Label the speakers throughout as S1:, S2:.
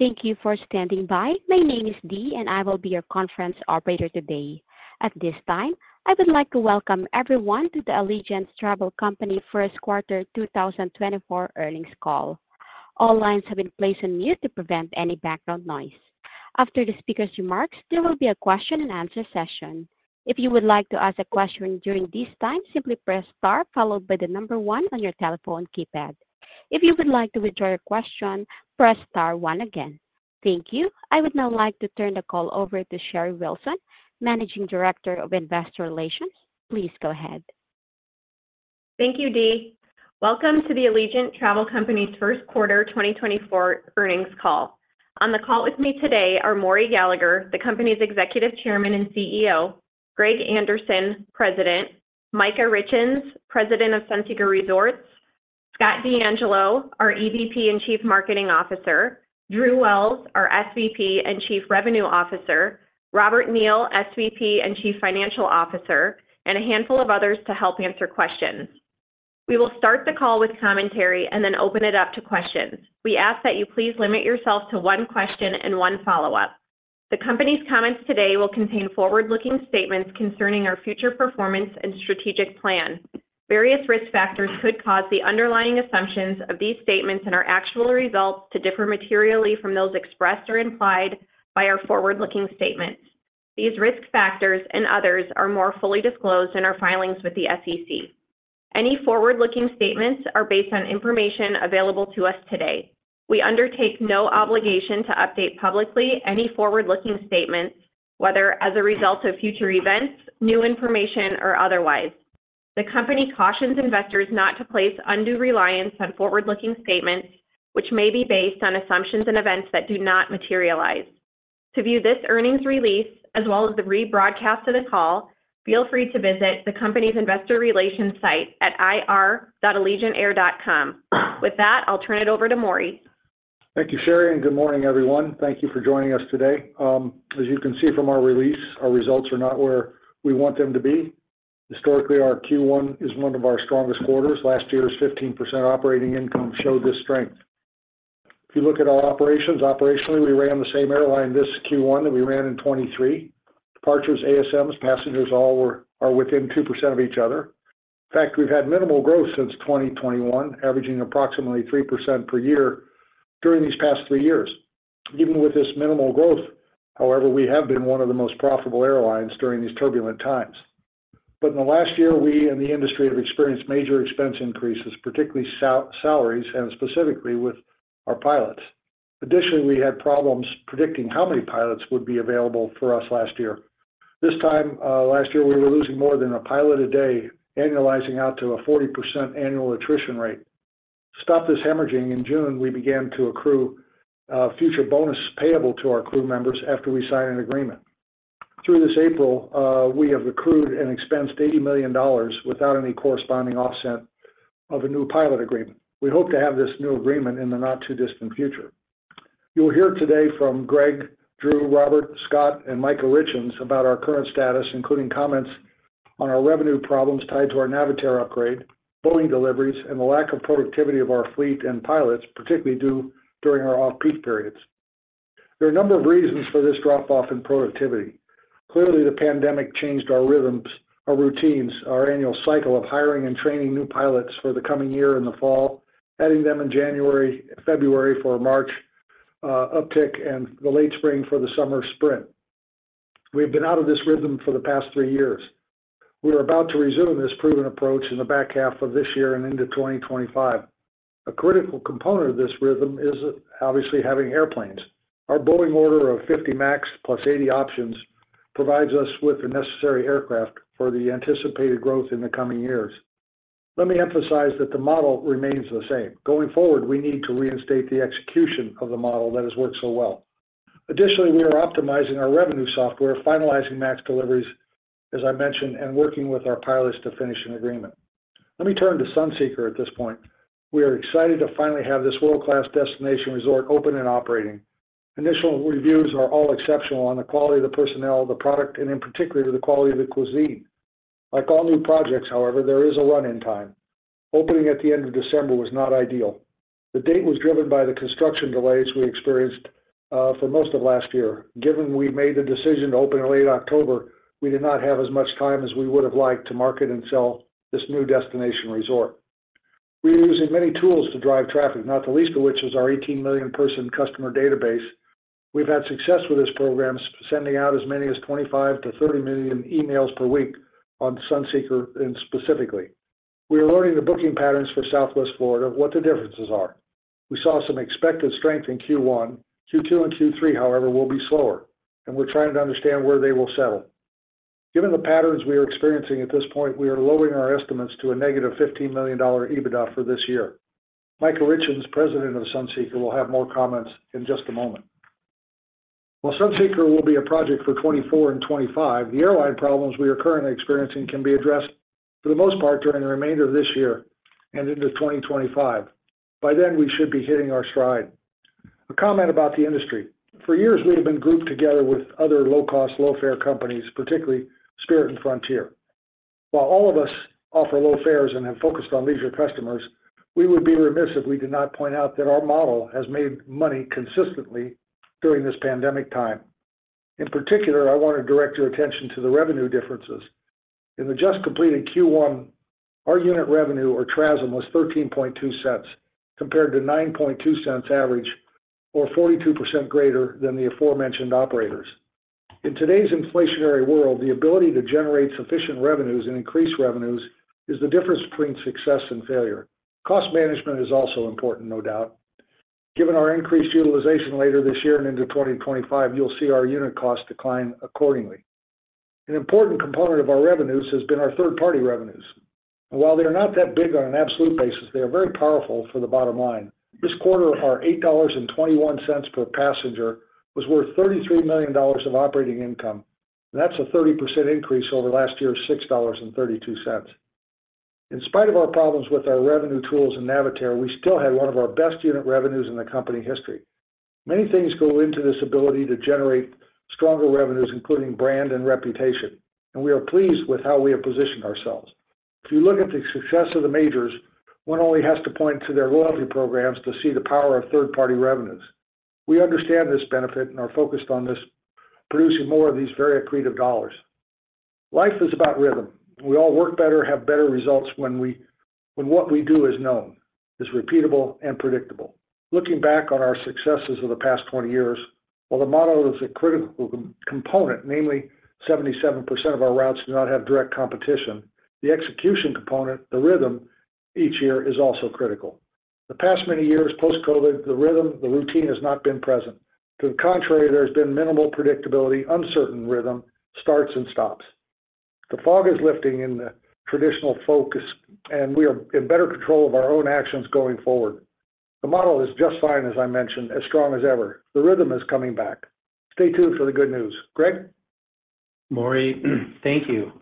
S1: Thank you for standing by. My name is Dee, and I will be your conference operator today. At this time, I would like to welcome everyone to the Allegiant Travel Company first quarter 2024 earnings call. All lines have been placed on mute to prevent any background noise. After the speaker's remarks, there will be a question and answer session. If you would like to ask a question during this time, simply press star followed by the number one on your telephone keypad. If you would like to withdraw your question, press star one again. Thank you. I would now like to turn the call over to Sherry Wilson, Managing Director of Investor Relations. Please go ahead.
S2: Thank you, Dee. Welcome to the Allegiant Travel Company's first quarter 2024 earnings call. On the call with me today are Maury Gallagher, the company's Executive Chairman and CEO, Greg Anderson, President, Micah Richins, President of Sunseeker Resorts, Scott DeAngelo, our EVP and Chief Marketing Officer, Drew Wells, our SVP and Chief Revenue Officer, Robert Neal, SVP and Chief Financial Officer, and a handful of others to help answer questions. We will start the call with commentary and then open it up to questions. We ask that you please limit yourself to one question and one follow-up. The company's comments today will contain forward-looking statements concerning our future performance and strategic plan. Various risk factors could cause the underlying assumptions of these statements and our actual results to differ materially from those expressed or implied by our forward-looking statements. These risk factors and others are more fully disclosed in our filings with the SEC. Any forward-looking statements are based on information available to us today. We undertake no obligation to update publicly any forward-looking statements, whether as a result of future events, new information, or otherwise. The company cautions investors not to place undue reliance on forward-looking statements, which may be based on assumptions and events that do not materialize. To view this earnings release, as well as the rebroadcast of the call, feel free to visit the company's investor relations site at ir.allegiantair.com. With that, I'll turn it over to Maury.
S3: Thank you, Sherry, and good morning, everyone. Thank you for joining us today. As you can see from our release, our results are not where we want them to be. Historically, our Q1 is one of our strongest quarters. Last year's 15% operating income showed this strength. If you look at our operations, operationally, we ran the same airline this Q1 that we ran in 2023. Departures, ASMs, passengers, all are within 2% of each other. In fact, we've had minimal growth since 2021, averaging approximately 3% per year during these past three years. Even with this minimal growth, however, we have been one of the most profitable airlines during these turbulent times. But in the last year, we and the industry have experienced major expense increases, particularly salaries, and specifically with our pilots. Additionally, we had problems predicting how many pilots would be available for us last year. This time, last year, we were losing more than a pilot a day, annualizing out to a 40% annual attrition rate. To stop this hemorrhaging in June, we began to accrue future bonuses payable to our crew members after we signed an agreement. Through this April, we have accrued and expensed $80 million without any corresponding offset of a new pilot agreement. We hope to have this new agreement in the not-too-distant future. You will hear today from Greg, Drew, Robert, Scott, and Micah Richins about our current status, including comments on our revenue problems tied to our Navitaire upgrade, Boeing deliveries, and the lack of productivity of our fleet and pilots, particularly due during our off-peak periods. There are a number of reasons for this drop-off in productivity. Clearly, the pandemic changed our rhythms, our routines, our annual cycle of hiring and training new pilots for the coming year in the fall, adding them in January, February for a March uptick, and the late spring for the summer sprint. We've been out of this rhythm for the past three years. We are about to resume this proven approach in the back half of this year and into 2025. A critical component of this rhythm is obviously having airplanes. Our Boeing order of 50 MAX plus 80 options provides us with the necessary aircraft for the anticipated growth in the coming years. Let me emphasize that the model remains the same. Going forward, we need to reinstate the execution of the model that has worked so well. Additionally, we are optimizing our revenue software, finalizing MAX deliveries, as I mentioned, and working with our pilots to finish an agreement. Let me turn to Sunseeker at this point. We are excited to finally have this world-class destination resort open and operating. Initial reviews are all exceptional on the quality of the personnel, the product, and in particular, the quality of the cuisine. Like all new projects, however, there is a run-in time. Opening at the end of December was not ideal. The date was driven by the construction delays we experienced for most of last year. Given we made the decision to open in late October, we did not have as much time as we would have liked to market and sell this new destination resort. We are using many tools to drive traffic, not the least of which is our 18 million-person customer database. We've had success with this program, sending out as many as 25 million-30 million emails per week on Sunseeker and specifically. We are learning the booking patterns for Southwest Florida, what the differences are. We saw some expected strength in Q1. Q2 and Q3, however, will be slower, and we're trying to understand where they will settle. Given the patterns we are experiencing at this point, we are lowering our estimates to a -$15 million EBITDA for this year. Micah Richins, President of Sunseeker, will have more comments in just a moment. While Sunseeker will be a project for 2024 and 2025, the airline problems we are currently experiencing can be addressed for the most part during the remainder of this year and into 2025. By then, we should be hitting our stride. A comment about the industry: For years, we have been grouped together with other low-cost, low-fare companies, particularly Spirit and Frontier. While all of us offer low fares and have focused on leisure customers, we would be remiss if we did not point out that our model has made money consistently during this pandemic time. In particular, I want to direct your attention to the revenue differences. In the just completed Q1, our unit revenue or TRASM was $0.132, compared to $0.092 average, or 42% greater than the aforementioned operators. In today's inflationary world, the ability to generate sufficient revenues and increase revenues is the difference between success and failure. Cost management is also important, no doubt. Given our increased utilization later this year and into 2025, you'll see our unit costs decline accordingly. An important component of our revenues has been our third-party revenues. While they are not that big on an absolute basis, they are very powerful for the bottom line. This quarter, our $8.21 per passenger was worth $33 million of operating income, and that's a 30% increase over last year's $6.32. In spite of our problems with our revenue tools in Navitaire, we still had one of our best unit revenues in the company history. Many things go into this ability to generate stronger revenues, including brand and reputation, and we are pleased with how we have positioned ourselves. If you look at the success of the majors, one only has to point to their loyalty programs to see the power of third-party revenues. We understand this benefit and are focused on this, producing more of these very accretive dollars. Life is about rhythm. We all work better, have better results when what we do is known, is repeatable and predictable. Looking back on our successes of the past 20 years, while the model is a critical component, namely, 77% of our routes do not have direct competition, the execution component, the rhythm each year is also critical. The past many years, post-COVID, the rhythm, the routine has not been present. To the contrary, there has been minimal predictability, uncertain rhythm, starts and stops. The fog is lifting in the traditional focus, and we are in better control of our own actions going forward. The model is just fine, as I mentioned, as strong as ever. The rhythm is coming back. Stay tuned for the good news. Greg?
S4: Maury, thank you.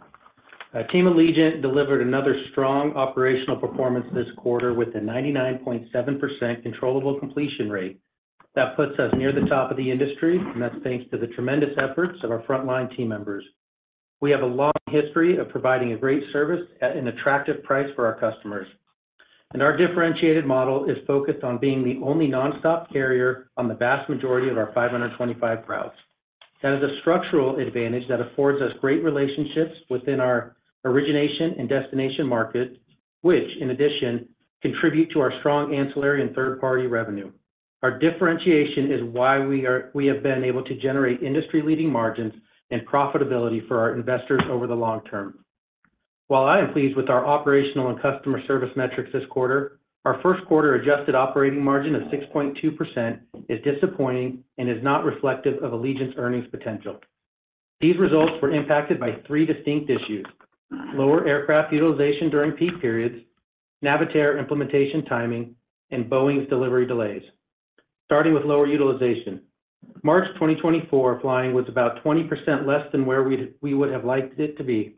S4: Team Allegiant delivered another strong operational performance this quarter with a 99.7% controllable completion rate. That puts us near the top of the industry, and that's thanks to the tremendous efforts of our frontline team members. We have a long history of providing a great service at an attractive price for our customers, and our differentiated model is focused on being the only nonstop carrier on the vast majority of our 525 routes. That is a structural advantage that affords us great relationships within our origination and destination markets, which, in addition, contribute to our strong ancillary and third-party revenue. Our differentiation is why we are—we have been able to generate industry-leading margins and profitability for our investors over the long term. While I am pleased with our operational and customer service metrics this quarter, our first quarter adjusted operating margin of 6.2% is disappointing and is not reflective of Allegiant's earnings potential. These results were impacted by three distinct issues: lower aircraft utilization during peak periods, Navitaire implementation timing, and Boeing's delivery delays. Starting with lower utilization. March 2024, flying was about 20% less than where we would have liked it to be.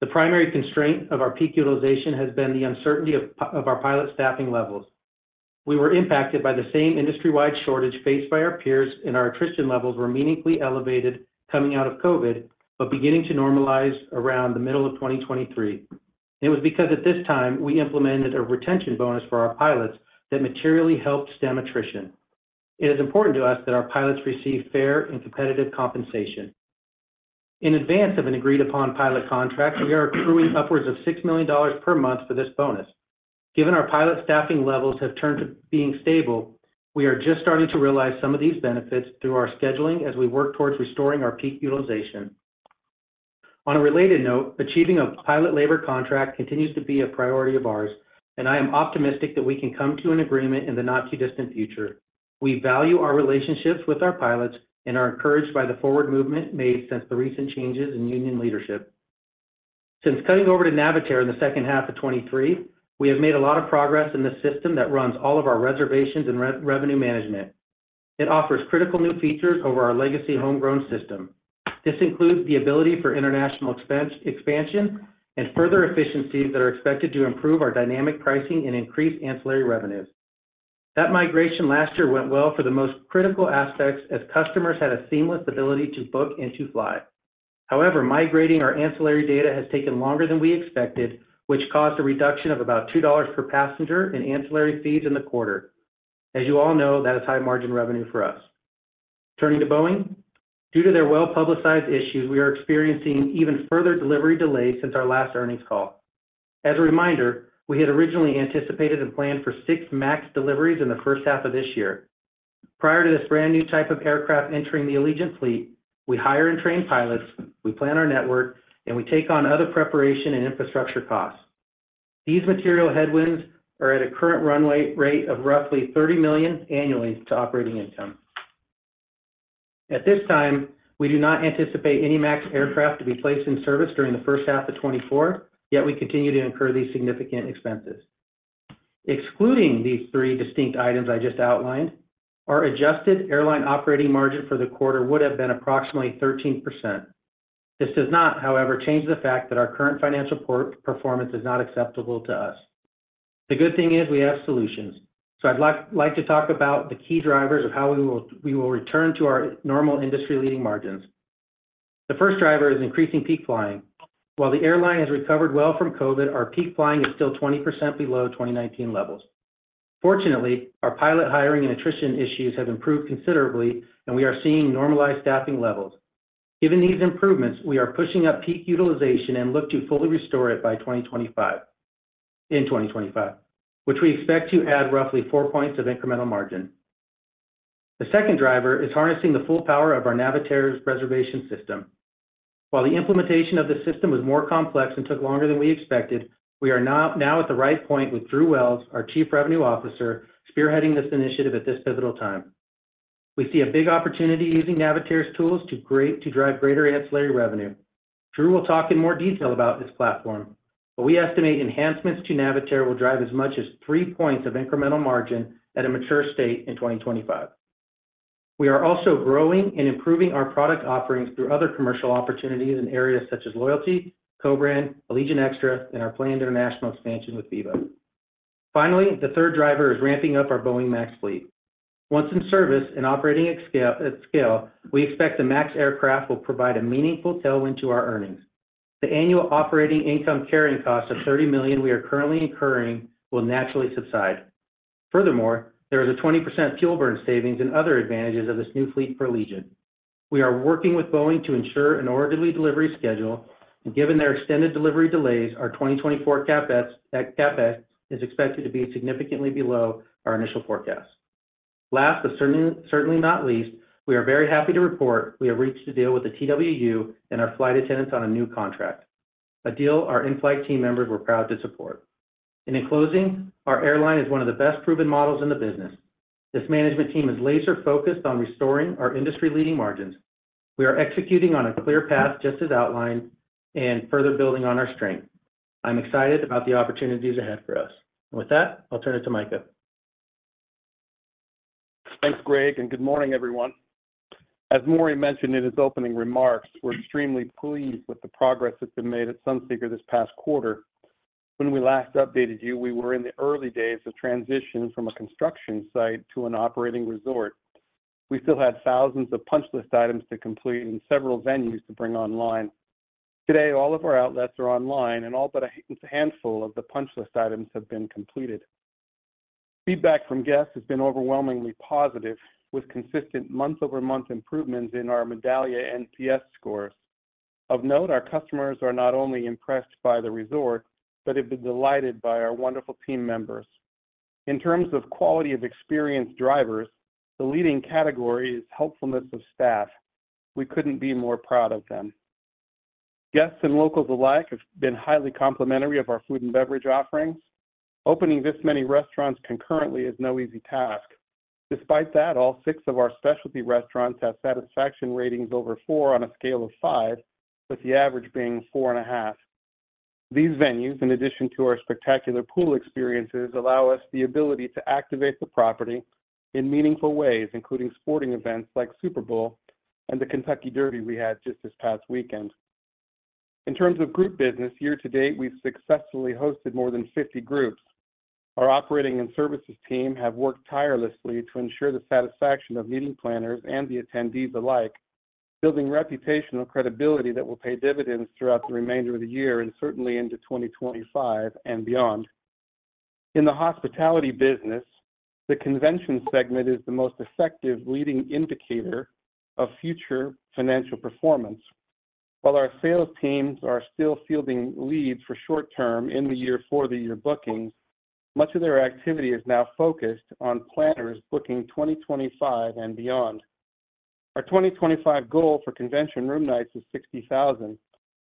S4: The primary constraint of our peak utilization has been the uncertainty of our pilot staffing levels. We were impacted by the same industry-wide shortage faced by our peers, and our attrition levels were meaningfully elevated coming out of COVID, but beginning to normalize around the middle of 2023. It was because at this time, we implemented a retention bonus for our pilots that materially helped stem attrition. It is important to us that our pilots receive fair and competitive compensation. In advance of an agreed-upon pilot contract, we are accruing upwards of $6 million per month for this bonus. Given our pilot staffing levels have turned to being stable, we are just starting to realize some of these benefits through our scheduling as we work towards restoring our peak utilization. On a related note, achieving a pilot labor contract continues to be a priority of ours, and I am optimistic that we can come to an agreement in the not-too-distant future. We value our relationships with our pilots and are encouraged by the forward movement made since the recent changes in union leadership. Since cutting over to Navitaire in the second half of 2023, we have made a lot of progress in the system that runs all of our reservations and revenue management. It offers critical new features over our legacy homegrown system. This includes the ability for international expansion and further efficiencies that are expected to improve our dynamic pricing and increase ancillary revenues. That migration last year went well for the most critical aspects, as customers had a seamless ability to book and to fly. However, migrating our ancillary data has taken longer than we expected, which caused a reduction of about $2 per passenger in ancillary fees in the quarter. As you all know, that is high margin revenue for us. Turning to Boeing, due to their well-publicized issues, we are experiencing even further delivery delays since our last earnings call. As a reminder, we had originally anticipated and planned for 6 MAX deliveries in the first half of this year. Prior to this brand-new type of aircraft entering the Allegiant fleet, we hire and train pilots, we plan our network, and we take on other preparation and infrastructure costs. These material headwinds are at a current runway rate of roughly $30 million annually to operating income. At this time, we do not anticipate any MAX aircraft to be placed in service during the first half of 2024, yet we continue to incur these significant expenses. Excluding these three distinct items I just outlined, our adjusted airline operating margin for the quarter would have been approximately 13%. This does not, however, change the fact that our current financial performance is not acceptable to us. The good thing is we have solutions. So I'd like to talk about the key drivers of how we will return to our normal industry-leading margins. The first driver is increasing peak flying. While the airline has recovered well from COVID, our peak flying is still 20% below 2019 levels. Fortunately, our pilot hiring and attrition issues have improved considerably, and we are seeing normalized staffing levels. Given these improvements, we are pushing up peak utilization and look to fully restore it by 2025, in 2025, which we expect to add roughly 4 points of incremental margin. The second driver is harnessing the full power of our Navitaire's reservation system. While the implementation of the system was more complex and took longer than we expected, we are now at the right point with Drew Wells, our Chief Revenue Officer, spearheading this initiative at this pivotal time. We see a big opportunity using Navitaire's tools to drive greater ancillary revenue. Drew will talk in more detail about this platform, but we estimate enhancements to Navitaire will drive as much as 3 points of incremental margin at a mature state in 2025. We are also growing and improving our product offerings through other commercial opportunities in areas such as loyalty, co-brand, Allegiant Extra, and our planned international expansion with Viva. Finally, the third driver is ramping up our Boeing MAX fleet. Once in service and operating at scale, at scale, we expect the MAX aircraft will provide a meaningful tailwind to our earnings. The annual operating income carrying cost of $30 million we are currently incurring will naturally subside. Furthermore, there is a 20% fuel burn savings and other advantages of this new fleet for Allegiant. We are working with Boeing to ensure an orderly delivery schedule, and given their extended delivery delays, our 2024 CapEx, CapEx is expected to be significantly below our initial forecast. Last, but certainly not least, we are very happy to report we have reached a deal with the TWU and our flight attendants on a new contract, a deal our in-flight team members were proud to support. And in closing, our airline is one of the best proven models in the business. This management team is laser-focused on restoring our industry-leading margins. We are executing on a clear path, just as outlined, and further building on our strength. I'm excited about the opportunities ahead for us. With that, I'll turn it to Micah.
S5: Thanks, Greg, and good morning, everyone. As Maury mentioned in his opening remarks, we're extremely pleased with the progress that's been made at Sunseeker this past quarter. When we last updated you, we were in the early days of transition from a construction site to an operating resort. We still had thousands of punch list items to complete and several venues to bring online. Today, all of our outlets are online and all but a handful of the punch list items have been completed. Feedback from guests has been overwhelmingly positive, with consistent month-over-month improvements in our Medallia NPS scores. Of note, our customers are not only impressed by the resort, but have been delighted by our wonderful team members. In terms of quality of experience drivers, the leading category is helpfulness of staff. We couldn't be more proud of them. Guests and locals alike have been highly complimentary of our food and beverage offerings. Opening this many restaurants concurrently is no easy task. Despite that, all six of our specialty restaurants have satisfaction ratings over four on a scale of five, with the average being four and a half. These venues, in addition to our spectacular pool experiences, allow us the ability to activate the property in meaningful ways, including sporting events like Super Bowl and the Kentucky Derby we had just this past weekend. In terms of group business, year to date, we've successfully hosted more than 50 groups. Our operating and services team have worked tirelessly to ensure the satisfaction of meeting planners and the attendees alike, building reputational credibility that will pay dividends throughout the remainder of the year and certainly into 2025 and beyond. In the hospitality business, the convention segment is the most effective leading indicator of future financial performance. While our sales teams are still fielding leads for short term in the year, for the year bookings, much of their activity is now focused on planners booking 2025 and beyond. Our 2025 goal for convention room nights is 60,000.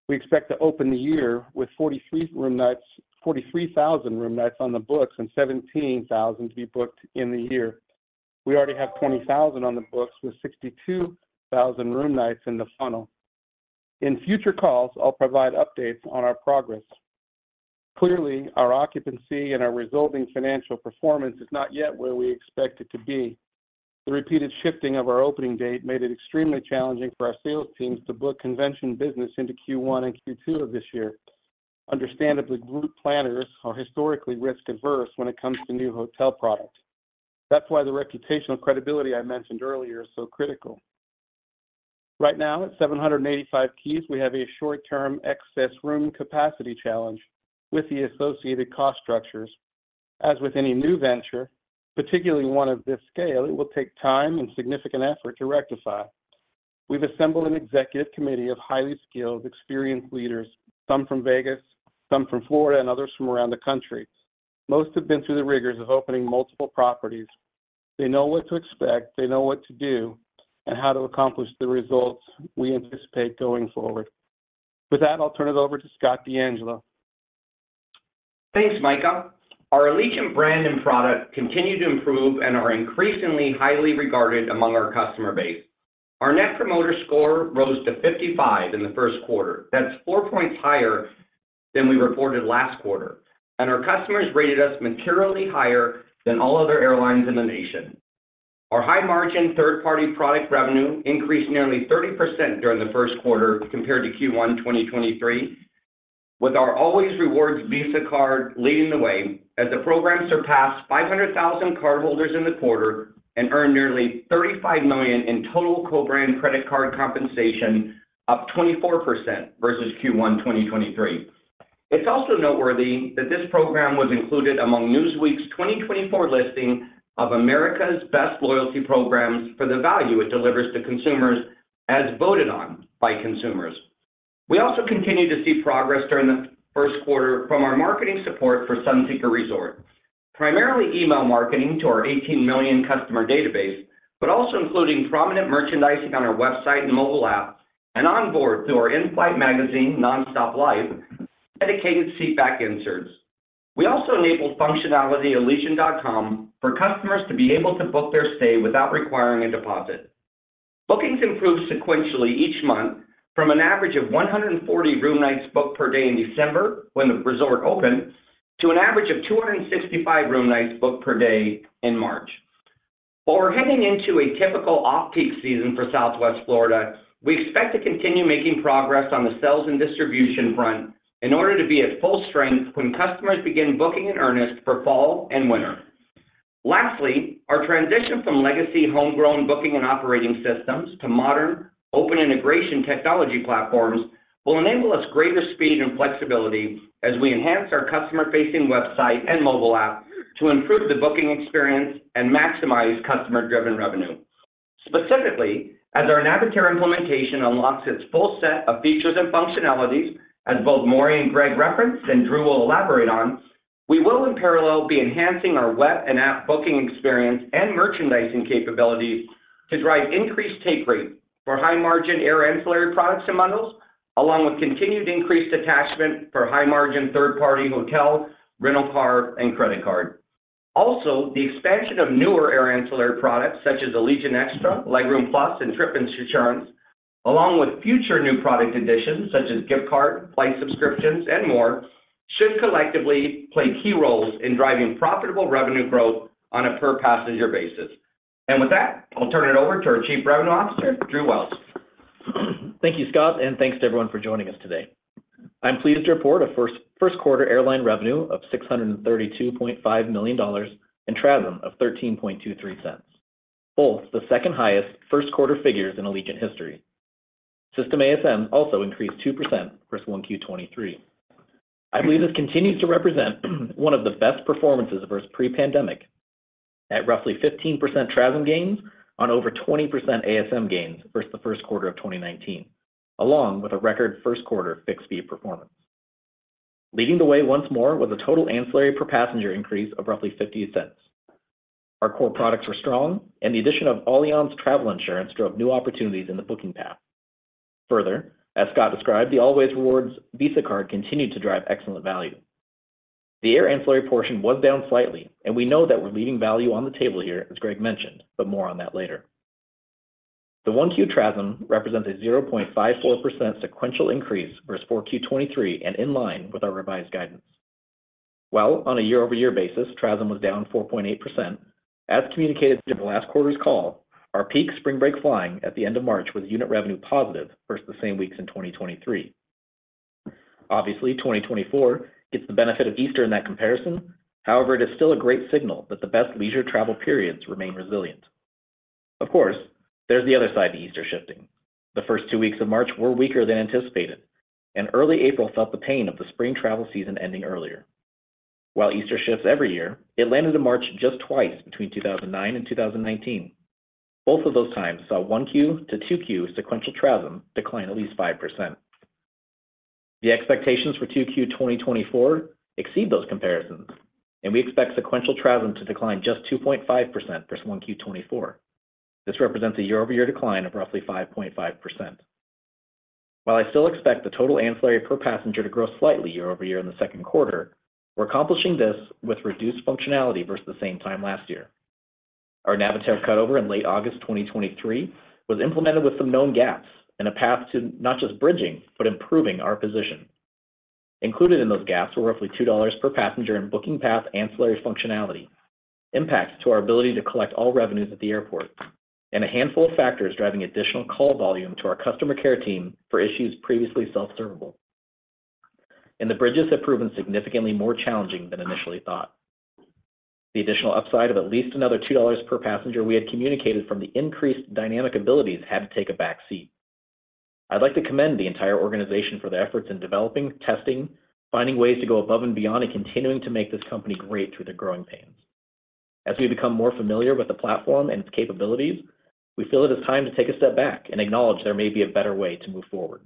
S5: We expect to open the year with 43 room nights, 43,000 room nights on the books and 17,000 to be booked in the year. We already have 20,000 on the books, with 62,000 room nights in the funnel. In future calls, I'll provide updates on our progress. Clearly, our occupancy and our resulting financial performance is not yet where we expect it to be. The repeated shifting of our opening date made it extremely challenging for our sales teams to book convention business into Q1 and Q2 of this year. Understandably, group planners are historically risk-averse when it comes to new hotel products. That's why the reputational credibility I mentioned earlier is so critical. Right now, at 785 keys, we have a short-term excess room capacity challenge with the associated cost structures. As with any new venture, particularly one of this scale, it will take time and significant effort to rectify. We've assembled an executive committee of highly skilled, experienced leaders, some from Vegas, some from Florida, and others from around the country. Most have been through the rigors of opening multiple properties. They know what to expect, they know what to do, and how to accomplish the results we anticipate going forward. With that, I'll turn it over to Scott DeAngelo.
S6: Thanks, Micah. Our Allegiant brand and product continue to improve and are increasingly highly regarded among our customer base. Our net promoter score rose to 55 in the first quarter. That's 4 points higher than we reported last quarter, and our customers rated us materially higher than all other airlines in the nation. Our high-margin third-party product revenue increased nearly 30% during the first quarter compared to Q1 2023, with our Allways Rewards Visa card leading the way as the program surpassed 500,000 cardholders in the quarter and earned nearly $35 million in total co-brand credit card compensation, up 24% versus Q1 2023. It's also noteworthy that this program was included among Newsweek's 2024 listing of America's Best Loyalty Programs for the value it delivers to consumers, as voted on by consumers. We also continued to see progress during the first quarter from our marketing support for Sunseeker Resorts, primarily email marketing to our 18 million customer database, but also including prominent merchandising on our website and mobile app, and onboard through our in-flight magazine, Nonstop Life, dedicated seat back inserts. We also enabled functionality on Allegiant.com for customers to be able to book their stay without requiring a deposit. Bookings improved sequentially each month from an average of 140 room nights booked per day in December, when the resort opened, to an average of 265 room nights booked per day in March. While we're heading into a typical off-peak season for Southwest Florida, we expect to continue making progress on the sales and distribution front in order to be at full strength when customers begin booking in earnest for fall and winter. Lastly, our transition from legacy homegrown booking and operating systems to modern, open integration technology platforms will enable us greater speed and flexibility as we enhance our customer-facing website and mobile app to improve the booking experience and maximize customer-driven revenue. Specifically, as our Navitaire implementation unlocks its full set of features and functionalities, as both Maury and Greg referenced, and Drew will elaborate on, we will in parallel be enhancing our web and app booking experience and merchandising capabilities to drive increased take rate for high-margin air ancillary products and bundles, along with continued increased attachment for high-margin third-party hotel, rental car, and credit card. Also, the expansion of newer air ancillary products, such as Allegiant Extra, Legroom+, and Trip Insurance, along with future new product additions, such as gift card, flight subscriptions, and more, should collectively play key roles in driving profitable revenue growth on a per-passenger basis. With that, I'll turn it over to our Chief Revenue Officer, Drew Wells.
S7: Thank you, Scott, and thanks to everyone for joining us today. I'm pleased to report a first quarter airline revenue of $632.5 million and TRASM of $0.1323, both the second-highest first-quarter figures in Allegiant history. System ASM also increased 2% versus 1Q23. I believe this continues to represent one of the best performances versus pre-pandemic, at roughly 15% TRASM gains on over 20% ASM gains versus the first quarter of 2019, along with a record first-quarter fixed fee performance. Leading the way once more was a total ancillary per passenger increase of roughly $0.50. Our core products were strong, and the addition of Allianz Travel Insurance drove new opportunities in the booking path. Further, as Scott described, the Allways Rewards Visa card continued to drive excellent value. The air ancillary portion was down slightly, and we know that we're leaving value on the table here, as Greg mentioned, but more on that later. The 1Q TRASM represents a 0.54% sequential increase versus 4Q 2023 and in line with our revised guidance. While on a year-over-year basis, TRASM was down 4.8%, as communicated in the last quarter's call, our peak spring break flying at the end of March was unit revenue positive versus the same weeks in 2023. Obviously, 2024 gets the benefit of Easter in that comparison. However, it is still a great signal that the best leisure travel periods remain resilient. Of course, there's the other side to Easter shifting. The first two weeks of March were weaker than anticipated, and early April felt the pain of the spring travel season ending earlier. While Easter shifts every year, it landed in March just twice between 2009 and 2019. Both of those times saw 1Q to 2Q sequential TRASM decline at least 5%. The expectations for 2Q 2024 exceed those comparisons, and we expect sequential TRASM to decline just 2.5% versus 1Q 2024. This represents a year-over-year decline of roughly 5.5%. While I still expect the total ancillary per passenger to grow slightly year-over-year in the second quarter, we're accomplishing this with reduced functionality versus the same time last year. Our Navitaire cutover in late August 2023 was implemented with some known gaps and a path to not just bridging, but improving our position. Included in those gaps were roughly $2 per passenger in booking path ancillary functionality, impacts to our ability to collect all revenues at the airport, and a handful of factors driving additional call volume to our customer care team for issues previously self-servable. The bridges have proven significantly more challenging than initially thought. The additional upside of at least another $2 per passenger we had communicated from the increased dynamic abilities had to take a back seat. I'd like to commend the entire organization for their efforts in developing, testing, finding ways to go above and beyond, and continuing to make this company great through the growing pains. As we become more familiar with the platform and its capabilities, we feel it is time to take a step back and acknowledge there may be a better way to move forward.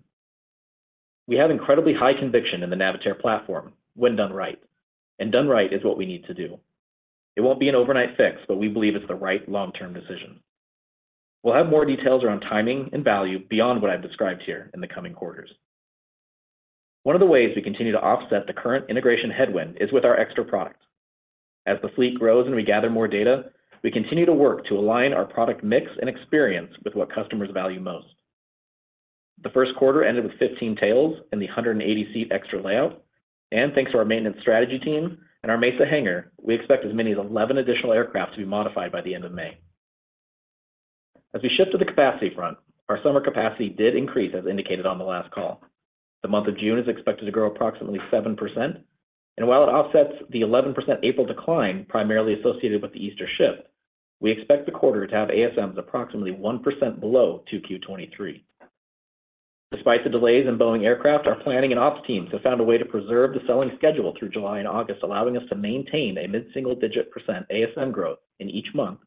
S7: We have incredibly high conviction in the Navitaire platform when done right, and done right is what we need to do. It won't be an overnight fix, but we believe it's the right long-term decision. We'll have more details around timing and value beyond what I've described here in the coming quarters. One of the ways we continue to offset the current integration headwind is with our extra products. As the fleet grows and we gather more data, we continue to work to align our product mix and experience with what customers value most. The first quarter ended with 15 tails in the 180-seat extra layout, and thanks to our maintenance strategy team and our Mesa hangar, we expect as many as 11 additional aircraft to be modified by the end of May. As we shift to the capacity front, our summer capacity did increase as indicated on the last call. The month of June is expected to grow approximately 7%, and while it offsets the 11% April decline, primarily associated with the Easter shift, we expect the quarter to have ASMs approximately 1% below 2Q 2023. Despite the delays in Boeing aircraft, our planning and ops teams have found a way to preserve the selling schedule through July and August, allowing us to maintain a mid-single-digit % ASM growth in each month,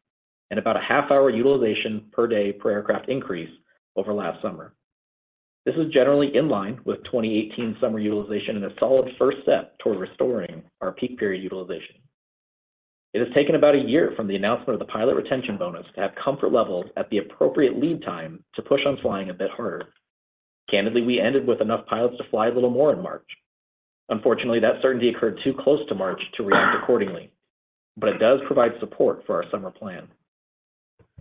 S7: and about a half-hour utilization per day per aircraft increase over last summer. This is generally in line with 2018 summer utilization and a solid first step toward restoring our peak period utilization. It has taken about a year from the announcement of the pilot retention bonus to have comfort levels at the appropriate lead time to push on flying a bit harder. Candidly, we ended with enough pilots to fly a little more in March. Unfortunately, that certainty occurred too close to March to react accordingly, but it does provide support for our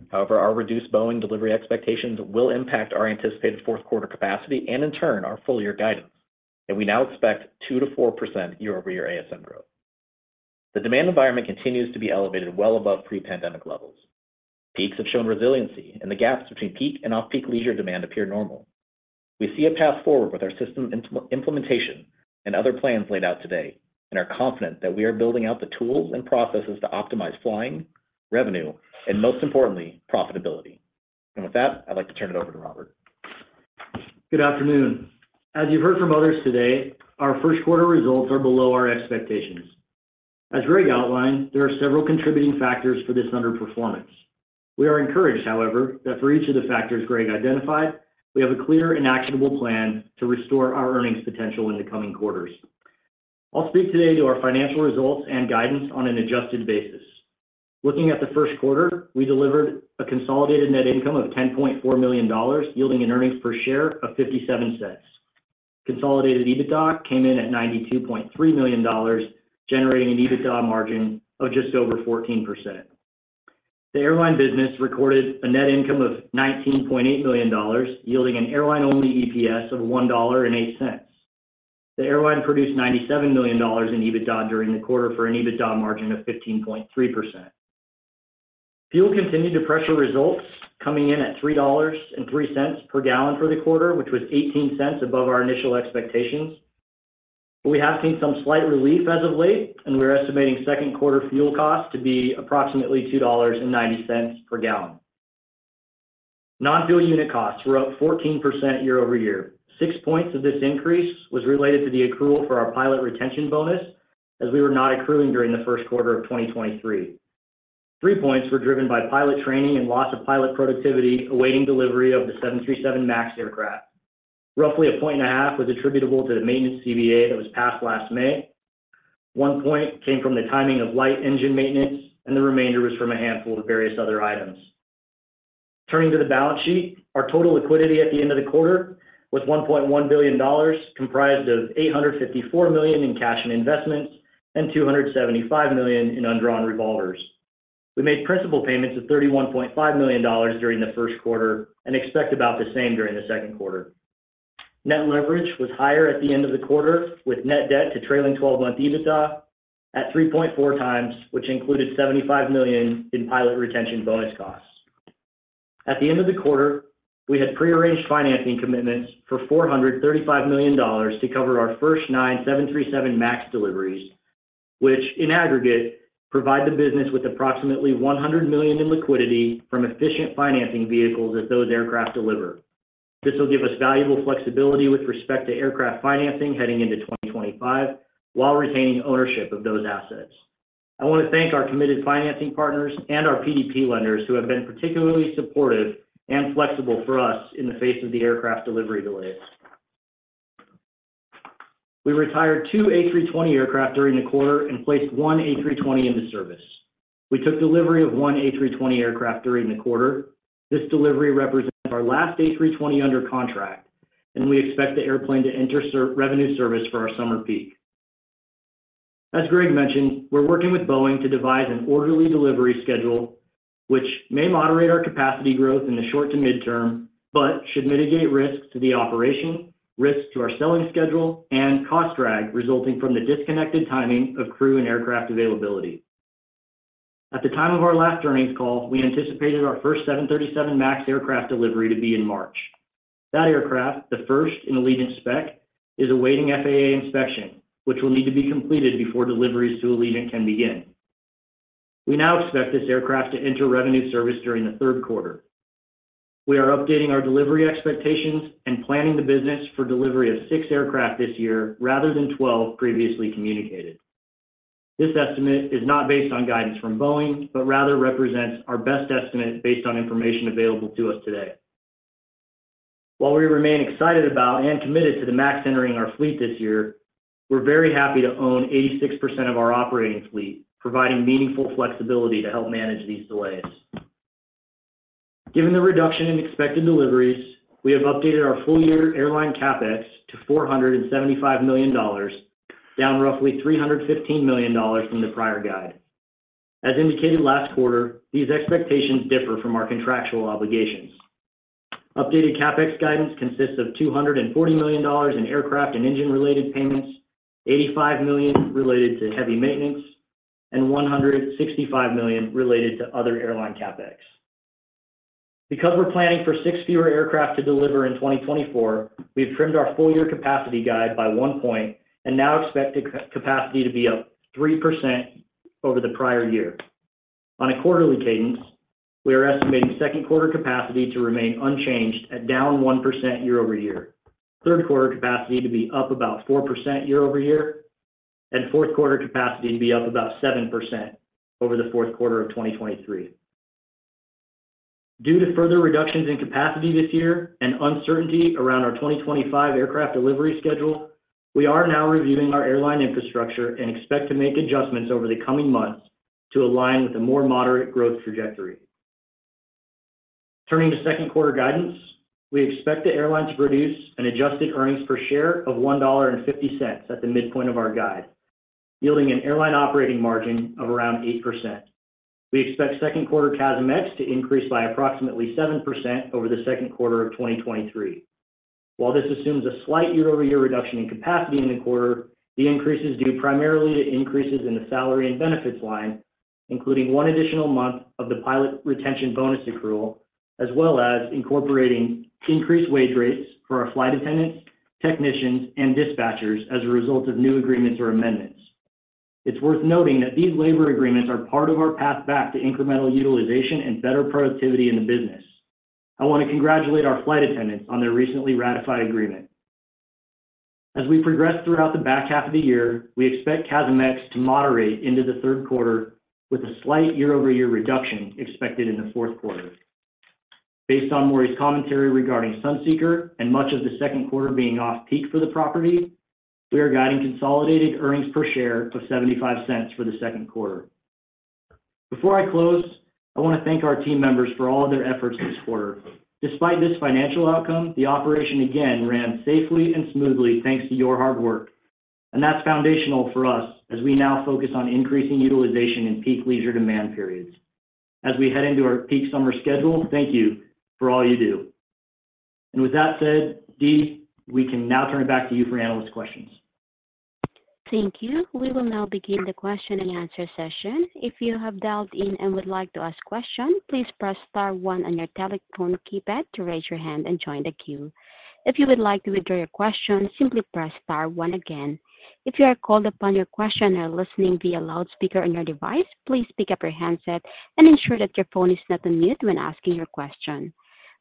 S7: summer plan. However, our reduced Boeing delivery expectations will impact our anticipated fourth quarter capacity and, in turn, our full year guidance, and we now expect 2%-4% year-over-year ASM growth. The demand environment continues to be elevated well above pre-pandemic levels. Peaks have shown resiliency, and the gaps between peak and off-peak leisure demand appear normal. We see a path forward with our system implementation and other plans laid out today, and are confident that we are building out the tools and processes to optimize flying, revenue, and most importantly, profitability. And with that, I'd like to turn it over to Robert.
S8: Good afternoon. As you've heard from others today, our first quarter results are below our expectations. As Greg outlined, there are several contributing factors for this underperformance. We are encouraged, however, that for each of the factors Greg identified, we have a clear and actionable plan to restore our earnings potential in the coming quarters. I'll speak today to our financial results and guidance on an adjusted basis. Looking at the first quarter, we delivered a consolidated net income of $10.4 million, yielding an earnings per share of $0.57. Consolidated EBITDA came in at $92.3 million, generating an EBITDA margin of just over 14%. The airline business recorded a net income of $19.8 million, yielding an airline-only EPS of $1.08. The airline produced $97 million in EBITDA during the quarter for an EBITDA margin of 15.3%. Fuel continued to pressure results, coming in at $3.03 per gallon for the quarter, which was $0.18 above our initial expectations. We have seen some slight relief as of late, and we're estimating second quarter fuel costs to be approximately $2.90 per gallon. Non-fuel unit costs were up 14% year-over-year. Six points of this increase was related to the accrual for our pilot retention bonus, as we were not accruing during the first quarter of 2023. Three points were driven by pilot training and loss of pilot productivity, awaiting delivery of the 737 MAX aircraft. Roughly a point and a half was attributable to the maintenance CBA that was passed last May. One point came from the timing of light engine maintenance, and the remainder was from a handful of various other items. Turning to the balance sheet, our total liquidity at the end of the quarter was $1.1 billion, comprised of $854 million in cash and investments, and $275 million in undrawn revolvers. We made principal payments of $31.5 million during the first quarter and expect about the same during the second quarter. Net leverage was higher at the end of the quarter, with net debt to trailing 12-month EBITDA at 3.4x, which included $75 million in pilot retention bonus costs. At the end of the quarter, we had pre-arranged financing commitments for $435 million to cover our first nine 737 MAX deliveries, which in aggregate, provide the business with approximately $100 million in liquidity from efficient financing vehicles as those aircraft deliver. This will give us valuable flexibility with respect to aircraft financing heading into 2025, while retaining ownership of those assets. I want to thank our committed financing partners and our PDP lenders, who have been particularly supportive and flexible for us in the face of the aircraft delivery delays. We retired two A320 aircraft during the quarter and placed one A320 into service. We took delivery of one A320 aircraft during the quarter. This delivery represents our last A320 under contract, and we expect the airplane to enter revenue service for our summer peak. As Greg mentioned, we're working with Boeing to devise an orderly delivery schedule, which may moderate our capacity growth in the short to midterm, but should mitigate risks to the operation, risks to our selling schedule, and cost drag resulting from the disconnected timing of crew and aircraft availability. At the time of our last earnings call, we anticipated our first 737 MAX aircraft delivery to be in March. That aircraft, the first in Allegiant's spec, is awaiting FAA inspection, which will need to be completed before deliveries to Allegiant can begin. We now expect this aircraft to enter revenue service during the third quarter. We are updating our delivery expectations and planning the business for delivery of six aircraft this year, rather than 12 previously communicated. This estimate is not based on guidance from Boeing, but rather represents our best estimate based on information available to us today. While we remain excited about and committed to the MAX entering our fleet this year, we're very happy to own 86% of our operating fleet, providing meaningful flexibility to help manage these delays. Given the reduction in expected deliveries, we have updated our full year airline CapEx to $475 million, down roughly $315 million from the prior guide. As indicated last quarter, these expectations differ from our contractual obligations. Updated CapEx guidance consists of $240 million in aircraft and engine-related payments, $85 million related to heavy maintenance, and $165 million related to other airline CapEx. Because we're planning for six fewer aircraft to deliver in 2024, we've trimmed our full year capacity guide by 1% and now expect the capacity to be up 3% over the prior year. On a quarterly cadence, we are estimating second quarter capacity to remain unchanged at down 1% year-over-year. Third quarter capacity to be up about 4% year-over-year, and fourth quarter capacity to be up about 7% over the fourth quarter of 2023. Due to further reductions in capacity this year and uncertainty around our 2025 aircraft delivery schedule, we are now reviewing our airline infrastructure and expect to make adjustments over the coming months to align with a more moderate growth trajectory. Turning to second quarter guidance, we expect the airline to produce an adjusted earnings per share of $1.50 at the midpoint of our guide, yielding an airline operating margin of around 8%. We expect second quarter CASM-ex to increase by approximately 7% over the second quarter of 2023. While this assumes a slight year-over-year reduction in capacity in the quarter, the increase is due primarily to increases in the salary and benefits line, including one additional month of the pilot retention bonus accrual, as well as incorporating increased wage rates for our flight attendants, technicians, and dispatchers as a result of new agreements or amendments. It's worth noting that these labor agreements are part of our path back to incremental utilization and better productivity in the business. I want to congratulate our flight attendants on their recently ratified agreement. As we progress throughout the back half of the year, we expect CASM-ex to moderate into the third quarter, with a slight year-over-year reduction expected in the fourth quarter. Based on Maury's commentary regarding Sunseeker and much of the second quarter being off-peak for the property, we are guiding consolidated earnings per share of $0.75 for the second quarter. Before I close, I want to thank our team members for all of their efforts this quarter. Despite this financial outcome, the operation again ran safely and smoothly, thanks to your hard work, and that's foundational for us as we now focus on increasing utilization in peak leisure demand periods. As we head into our peak summer schedule, thank you for all you do. And with that said, Dee, we can now turn it back to you for analyst questions.
S1: Thank you. We will now begin the question-and-answer session. If you have dialed in and would like to ask questions, please press star one on your telephone keypad to raise your hand and join the queue. If you would like to withdraw your question, simply press star one again. If you are called upon your question and are listening via loudspeaker on your device, please pick up your handset and ensure that your phone is not on mute when asking your question.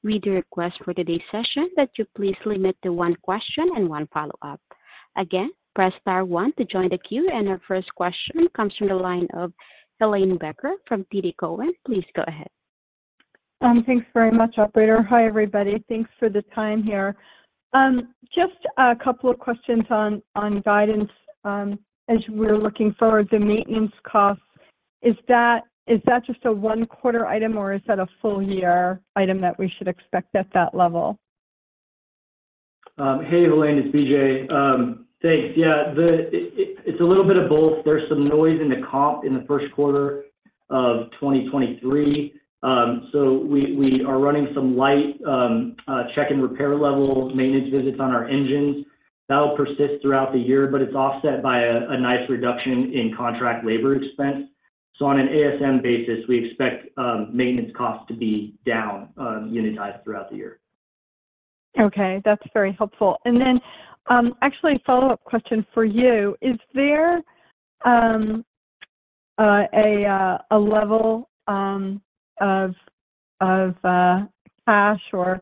S1: We do request for today's session that you please limit to one question and one follow-up. Again, press star one to join the queue, and our first question comes from the line of Helane Becker from TD Cowen. Please go ahead.
S9: Thanks very much, operator. Hi, everybody. Thanks for the time here. Just a couple of questions on guidance. As we're looking forward, the maintenance costs, is that just a one-quarter item, or is that a full year item that we should expect at that level?
S8: Hey, Helane, it's BJ. Thanks. Yeah, it, it's a little bit of both. There's some noise in the comp in the first quarter of 2023. So we are running some light, check and repair level maintenance visits on our engines. That will persist throughout the year, but it's offset by a nice reduction in contract labor expense. So on an ASM basis, we expect maintenance costs to be down, unitized throughout the year.
S9: Okay, that's very helpful. And then, actually, a follow-up question for you: Is there a level of cash or,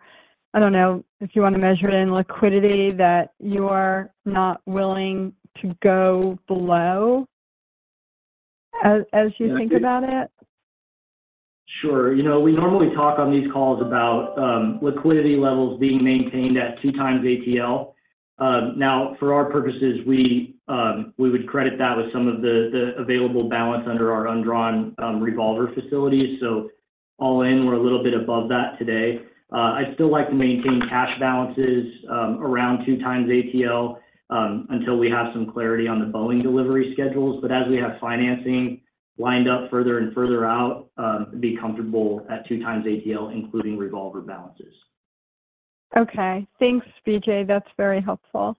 S9: I don't know, if you want to measure it in liquidity, that you are not willing to go below as you think about it?
S8: Sure. You know, we normally talk on these calls about, liquidity levels being maintained at 2x ATL. Now, for our purposes, we would credit that with some of the available balance under our undrawn revolver facilities. So all in, we're a little bit above that today. I'd still like to maintain cash balances, around 2x ATL, until we have some clarity on the Boeing delivery schedules. But as we have financing lined up further and further out, be comfortable at 2x ATL, including revolver balances.
S9: Okay. Thanks, BJ. That's very helpful.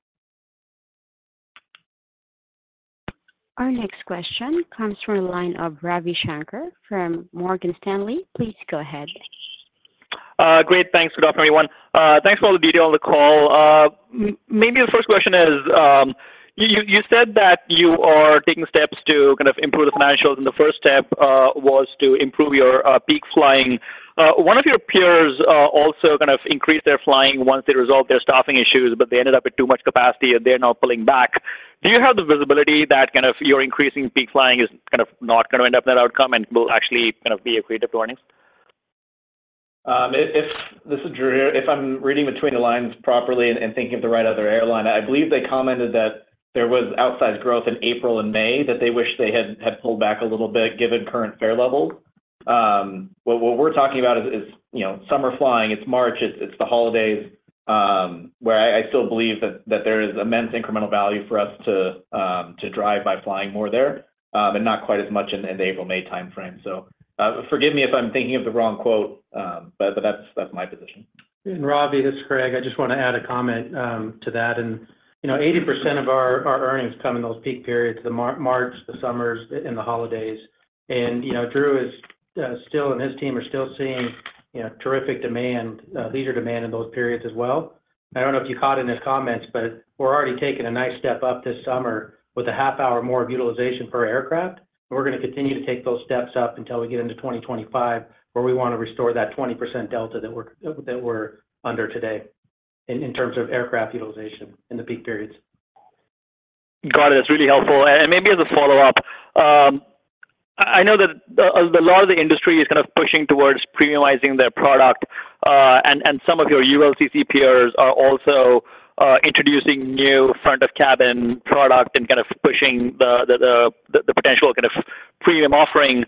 S1: Our next question comes from the line of Ravi Shanker from Morgan Stanley. Please go ahead.
S10: Great. Thanks. Good afternoon, everyone. Thanks for all the detail on the call. Maybe the first question is, you said that you are taking steps to kind of improve the financials, and the first step was to improve your peak flying. One of your peers also kind of increased their flying once they resolved their staffing issues, but they ended up with too much capacity, and they're now pulling back. Do you have the visibility that kind of your increasing peak flying is kind of not going to end up in that outcome and will actually kind of be accretive to earnings?
S7: This is Drew. If I'm reading between the lines properly and thinking of the right other airline, I believe they commented that there was outsized growth in April and May, that they wished they had pulled back a little bit, given current fare levels. What we're talking about is, you know, summer flying, it's March, it's the holidays, where I still believe that there is immense incremental value for us to drive by flying more there, and not quite as much in the April-May timeframe. So, forgive me if I'm thinking of the wrong quote, but that's my position.
S4: Ravi, this is Greg. I just want to add a comment to that. You know, 80% of our earnings come in those peak periods, the March, the summers, and the holidays. You know, Drew is still, and his team are still seeing, you know, terrific demand, leisure demand in those periods as well. I don't know if you caught in his comments, but we're already taking a nice step up this summer with a half hour more of utilization per aircraft, and we're gonna continue to take those steps up until we get into 2025, where we want to restore that 20% delta that we're under today in terms of aircraft utilization in the peak periods.
S10: Got it. That's really helpful. Maybe as a follow-up, I know that a lot of the industry is kind of pushing towards premiumizing their product, and some of your ULCC peers are also introducing new front-of-cabin product and kind of pushing the potential kind of premium offering.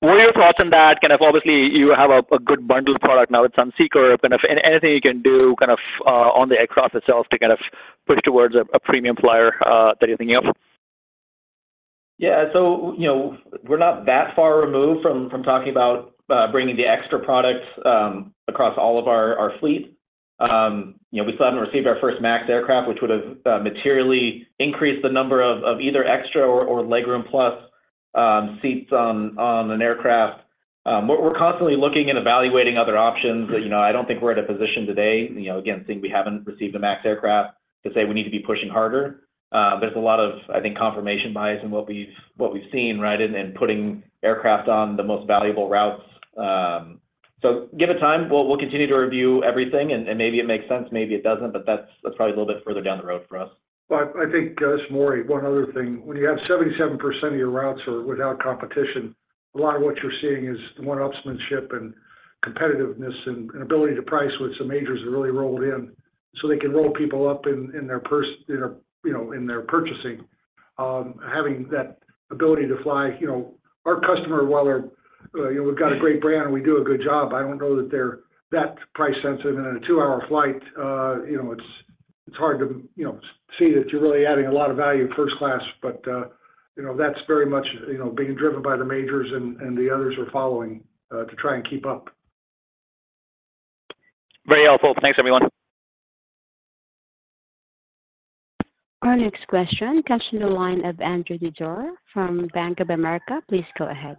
S10: What are your thoughts on that? Kind of obviously, you have a good bundled product now with Sunseeker. Kind of anything you can do, kind of, on the aircraft itself to kind of push towards a premium flyer that you're thinking of?
S7: Yeah. So, you know, we're not that far removed from talking about bringing the extra products across all of our fleet. You know, we still haven't received our first MAX aircraft, which would've materially increased the number of either extra or Legroom+ seats on an aircraft. We're constantly looking and evaluating other options, but, you know, I don't think we're in a position today, you know, again, seeing we haven't received a MAX aircraft, to say we need to be pushing harder. There's a lot of, I think, confirmation bias in what we've seen, right, in putting aircraft on the most valuable routes. So give it time. We'll continue to review everything, and maybe it makes sense, maybe it doesn't, but that's probably a little bit further down the road for us.
S3: But I think, this is Maury, one other thing. When you have 77% of your routes are without competition, a lot of what you're seeing is the one-upsmanship and competitiveness and ability to price, which the majors have really rolled in, so they can roll people up in their purchasing. Having that ability to fly, you know, our customer, while they're, you know, we've got a great brand and we do a good job, I don't know that they're that price sensitive. In a two-hour flight, you know, it's hard to, you know, see that you're really adding a lot of value in first class. But, you know, that's very much, you know, being driven by the majors and the others are following to try and keep up.
S10: Very helpful. Thanks, everyone.
S1: Our next question comes from the line of Andrew Didora from Bank of America. Please go ahead.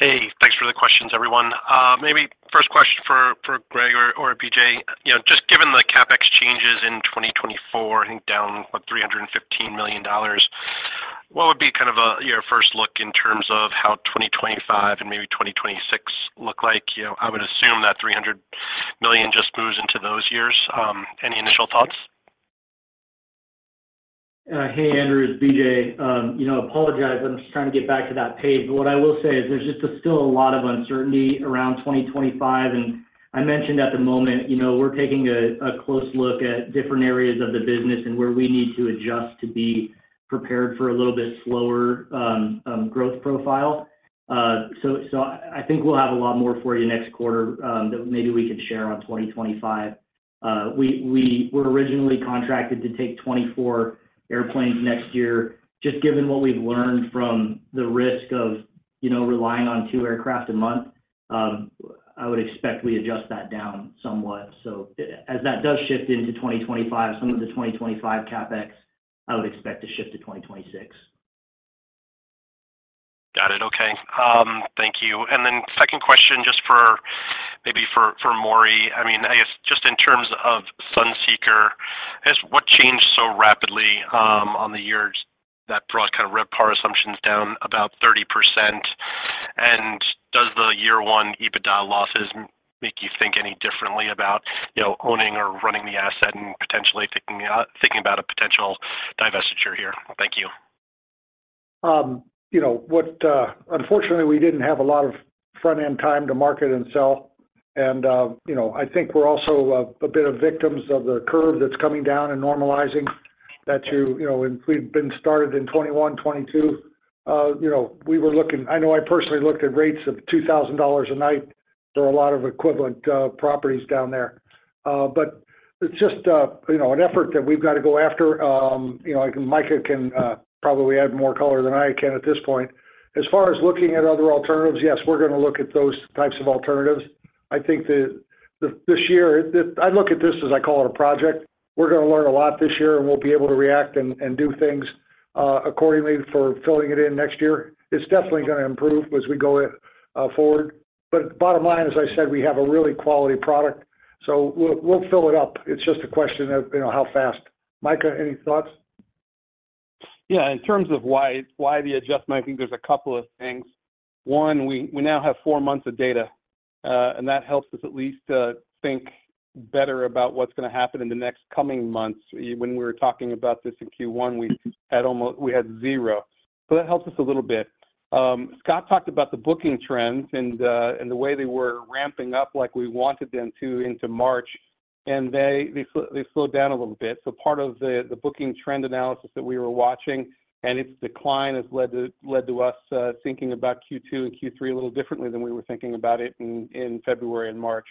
S11: Hey, thanks for the questions, everyone. Maybe first question for Greg or BJ. You know, just given the CapEx changes in 2024, I think down, what, $315 million, what would be kind of a your first look in terms of how 2025 and maybe 2026 look like? You know, I would assume that $300 million just moves into those years. Any initial thoughts?
S8: Hey, Andrew, it's BJ. You know, apologize, I'm just trying to get back to that page. But what I will say is there's just still a lot of uncertainty around 2025, and I mentioned at the moment, you know, we're taking a close look at different areas of the business and where we need to adjust to be prepared for a little bit slower growth profile. So I think we'll have a lot more for you next quarter that maybe we can share on 2025. We were originally contracted to take 24 airplanes next year. Just given what we've learned from the risk of, you know, relying on two aircraft a month, I would expect we adjust that down somewhat. So as that does shift into 2025, some of the 2025 CapEx, I would expect to shift to 2026.
S11: Got it. Okay. Thank you. And then second question, just for, maybe for, for Maury. I mean, I guess just in terms of Sunseeker, I guess what changed so rapidly, on the year that brought kind of RevPAR assumptions down about 30%? And does the year one EBITDA losses make you think any differently about, you know, owning or running the asset and potentially thinking about, thinking about a potential divestiture here? Thank you.
S3: You know, unfortunately, we didn't have a lot of front-end time to market and sell. You know, I think we're also a bit of victims of the curve that's coming down and normalizing that to... You know, when we've been started in 2021, 2022, you know, we were looking-- I know I personally looked at rates of $2,000 a night. There are a lot of equivalent properties down there. But it's just, you know, an effort that we've got to go after. You know, Micah can probably add more color than I can at this point. As far as looking at other alternatives, yes, we're gonna look at those types of alternatives. I think that this year, this-- I look at this as I call it a project. We're gonna learn a lot this year, and we'll be able to react and do things accordingly for filling it in next year. It's definitely gonna improve as we go forward. But bottom line, as I said, we have a really quality product, so we'll fill it up. It's just a question of, you know, how fast. Micah, any thoughts?
S5: Yeah, in terms of why the adjustment, I think there's a couple of things. One, we now have four months of data, and that helps us at least think better about what's gonna happen in the next coming months. When we were talking about this in Q1, we had zero, so that helps us a little bit. Scott talked about the booking trends and the way they were ramping up like we wanted them to into March... and they slowed down a little bit. So part of the booking trend analysis that we were watching and its decline has led to us thinking about Q2 and Q3 a little differently than we were thinking about it in February and March.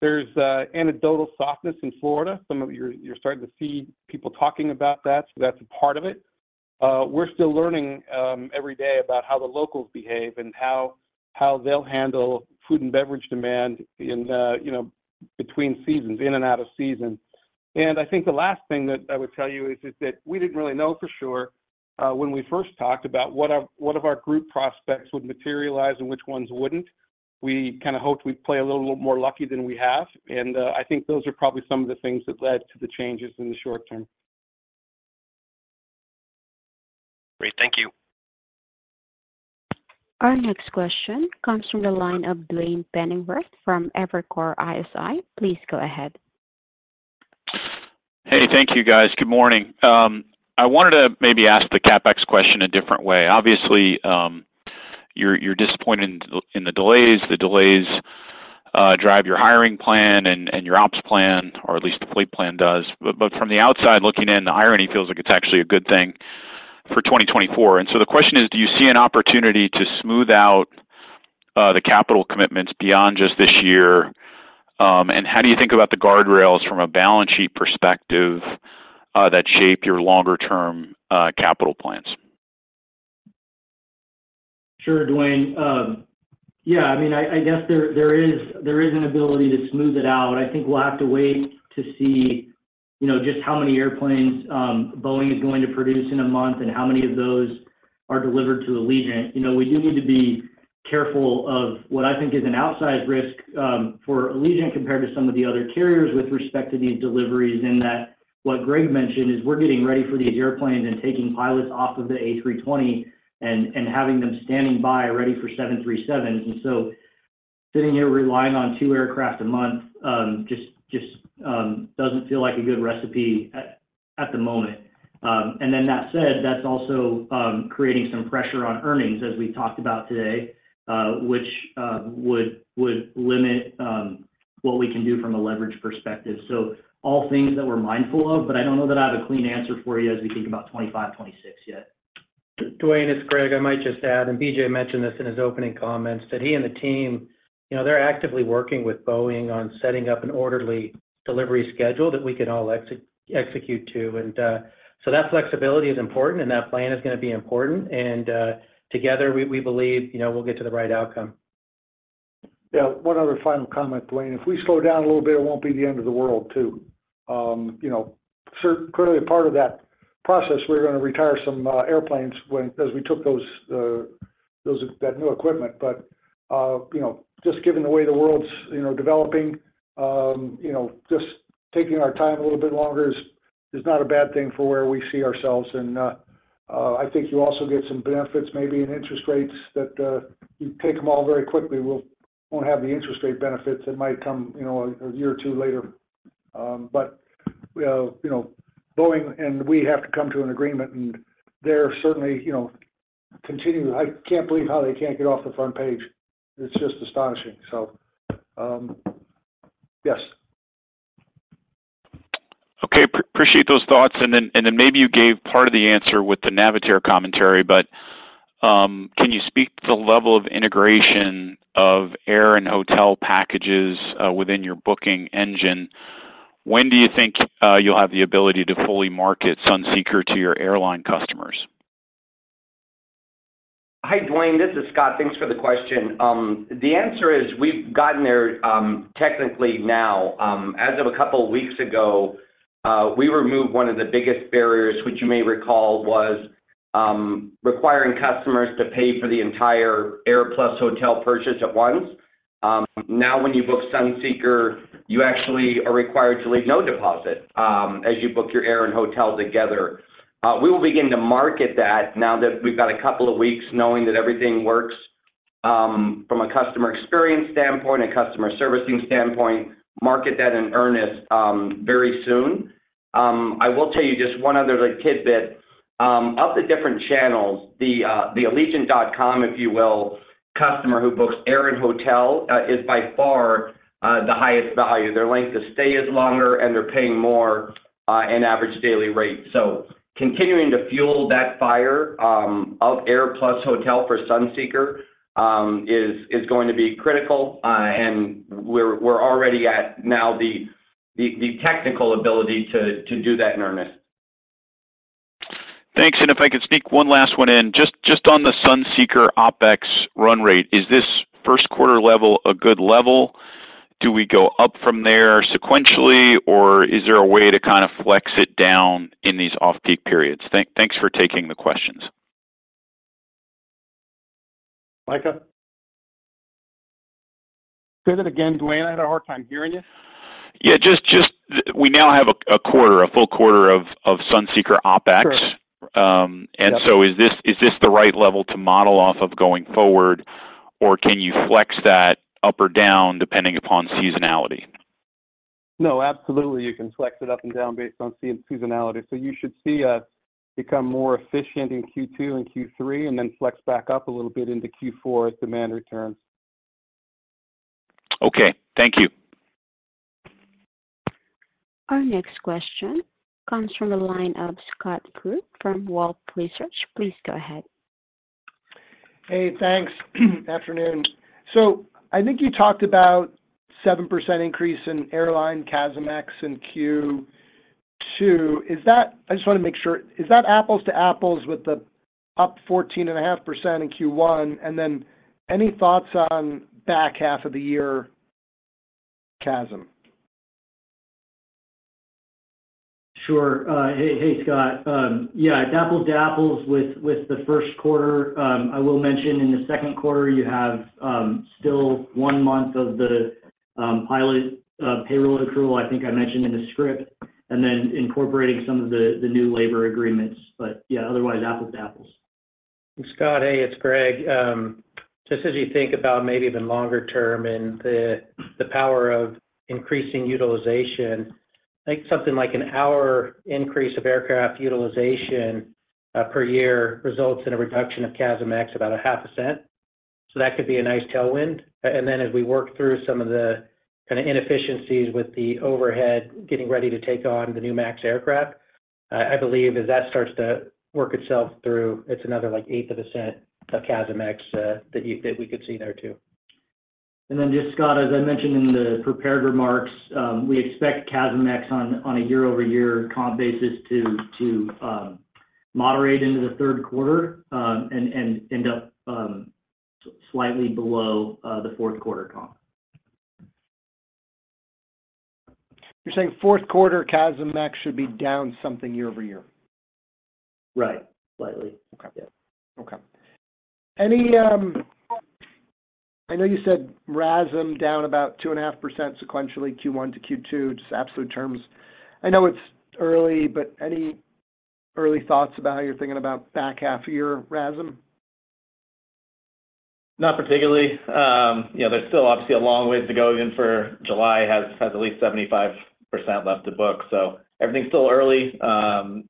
S5: There's anecdotal softness in Florida. Some of you, you're starting to see people talking about that, so that's a part of it. We're still learning every day about how the locals behave and how they'll handle food and beverage demand in, you know, between seasons, in and out of season. And I think the last thing that I would tell you is that we didn't really know for sure when we first talked about what of our group prospects would materialize and which ones wouldn't. We kind of hoped we'd play a little more lucky than we have, and I think those are probably some of the things that led to the changes in the short term.
S11: Great. Thank you.
S1: Our next question comes from the line of Duane Pfennigwerth from Evercore ISI. Please go ahead.
S12: Hey, thank you, guys. Good morning. I wanted to maybe ask the CapEx question a different way. Obviously, you're disappointed in the delays. The delays drive your hiring plan and your ops plan, or at least the fleet plan does. But from the outside looking in, the irony feels like it's actually a good thing for 2024. And so the question is, do you see an opportunity to smooth out the capital commitments beyond just this year? And how do you think about the guardrails from a balance sheet perspective that shape your longer-term capital plans?
S8: Sure, Duane. Yeah, I mean, I guess there is an ability to smooth it out. I think we'll have to wait to see, you know, just how many airplanes, Boeing is going to produce in a month and how many of those are delivered to Allegiant. You know, we do need to be careful of what I think is an outsized risk, for Allegiant compared to some of the other carriers with respect to these deliveries, in that what Greg mentioned is we're getting ready for these airplanes and taking pilots off of the A320 and having them standing by ready for 737. And so sitting here relying on two aircraft a month, just doesn't feel like a good recipe at the moment. And then that said, that's also creating some pressure on earnings as we talked about today, which would limit what we can do from a leverage perspective. So all things that we're mindful of, but I don't know that I have a clean answer for you as we think about 2025, 2026 yet.
S4: Duane, it's Greg. I might just add, and BJ mentioned this in his opening comments, that he and the team, you know, they're actively working with Boeing on setting up an orderly delivery schedule that we can all execute to. And, so that flexibility is important, and that plan is going to be important. And, together, we, we believe, you know, we'll get to the right outcome.
S3: Yeah. One other final comment, Duane. If we slow down a little bit, it won't be the end of the world, too. You know, clearly, a part of that process, we're going to retire some airplanes when—as we took those—that new equipment. But you know, just given the way the world's, you know, developing, you know, just taking our time a little bit longer is, is not a bad thing for where we see ourselves. And I think you also get some benefits, maybe in interest rates, that you take them all very quickly, we won't have the interest rate benefits that might come, you know, a year or two later. But you know, Boeing and we have to come to an agreement, and they're certainly, you know, continuing... I can't believe how they can't get off the front page. It's just astonishing. So, yes.
S12: Okay. Appreciate those thoughts. And then maybe you gave part of the answer with the Navitaire commentary, but can you speak to the level of integration of air and hotel packages within your booking engine? When do you think you'll have the ability to fully market Sunseeker to your airline customers?
S6: Hi, Duane, this is Scott. Thanks for the question. The answer is we've gotten there, technically now. As of a couple of weeks ago, we removed one of the biggest barriers, which you may recall was, requiring customers to pay for the entire air plus hotel purchase at once. Now, when you book Sunseeker, you actually are required to leave no deposit, as you book your air and hotel together. We will begin to market that now that we've got a couple of weeks knowing that everything works, from a customer experience standpoint and customer servicing standpoint, market that in earnest, very soon. I will tell you just one other little tidbit. Of the different channels, the allegiant.com, if you will, customer who books air and hotel, is by far, the highest value. Their length of stay is longer, and they're paying more in average daily rate. So continuing to fuel that fire of air plus hotel for Sunseeker is going to be critical, and we're already at now the technical ability to do that in earnest.
S12: Thanks. And if I could sneak one last one in. Just, just on the Sunseeker OpEx run rate, is this first quarter level a good level? Do we go up from there sequentially, or is there a way to kind of flex it down in these off-peak periods? Thank, thanks for taking the questions.
S3: Micah?
S5: Say that again, Duane. I had a hard time hearing you.
S12: Yeah, we now have a full quarter of Sunseeker OpEx.
S5: Sure.
S12: And so is this, is this the right level to model off of going forward, or can you flex that up or down depending upon seasonality?
S5: No, absolutely, you can flex it up and down based on seasonality. So you should see us-... become more efficient in Q2 and Q3, and then flex back up a little bit into Q4 as demand returns.
S12: Okay, thank you.
S1: Our next question comes from the line of Scott Group from Wolfe Research. Please go ahead.
S13: Hey, thanks. Afternoon. So I think you talked about 7% increase in airline CASM-ex in Q2. Is that—I just want to make sure, is that apples to apples with the up 14.5% in Q1? And then any thoughts on back half of the year CASM?
S8: Sure. Hey, hey, Scott. Yeah, apples to apples with the first quarter. I will mention in the second quarter, you have still one month of the pilot payroll accrual, I think I mentioned in the script, and then incorporating some of the new labor agreements. But yeah, otherwise, apples to apples.
S4: Scott, hey, it's Greg. Just as you think about maybe even longer term and the power of increasing utilization, I think something like an hour increase of aircraft utilization per year results in a reduction of CASM-ex about $0.005. So that could be a nice tailwind. And then as we work through some of the kind of inefficiencies with the overhead, getting ready to take on the new MAX aircraft, I believe as that starts to work itself through, it's another, like, $0.00125 of CASM-ex that we could see there, too.
S8: And then just, Scott, as I mentioned in the prepared remarks, we expect CASM-ex on a year-over-year comp basis to moderate into the third quarter, and end up slightly below the fourth quarter comp.
S13: You're saying fourth quarter CASM-ex should be down something year-over-year?
S8: Right. Slightly.
S13: Okay.
S8: Yeah.
S13: Okay. Any... I know you said RASM down about 2.5% sequentially, Q1 to Q2, just absolute terms. I know it's early, but any early thoughts about how you're thinking about back half of year RASM?
S7: Not particularly. You know, there's still obviously a long ways to go, even for July has at least 75% left to book, so everything's still early. And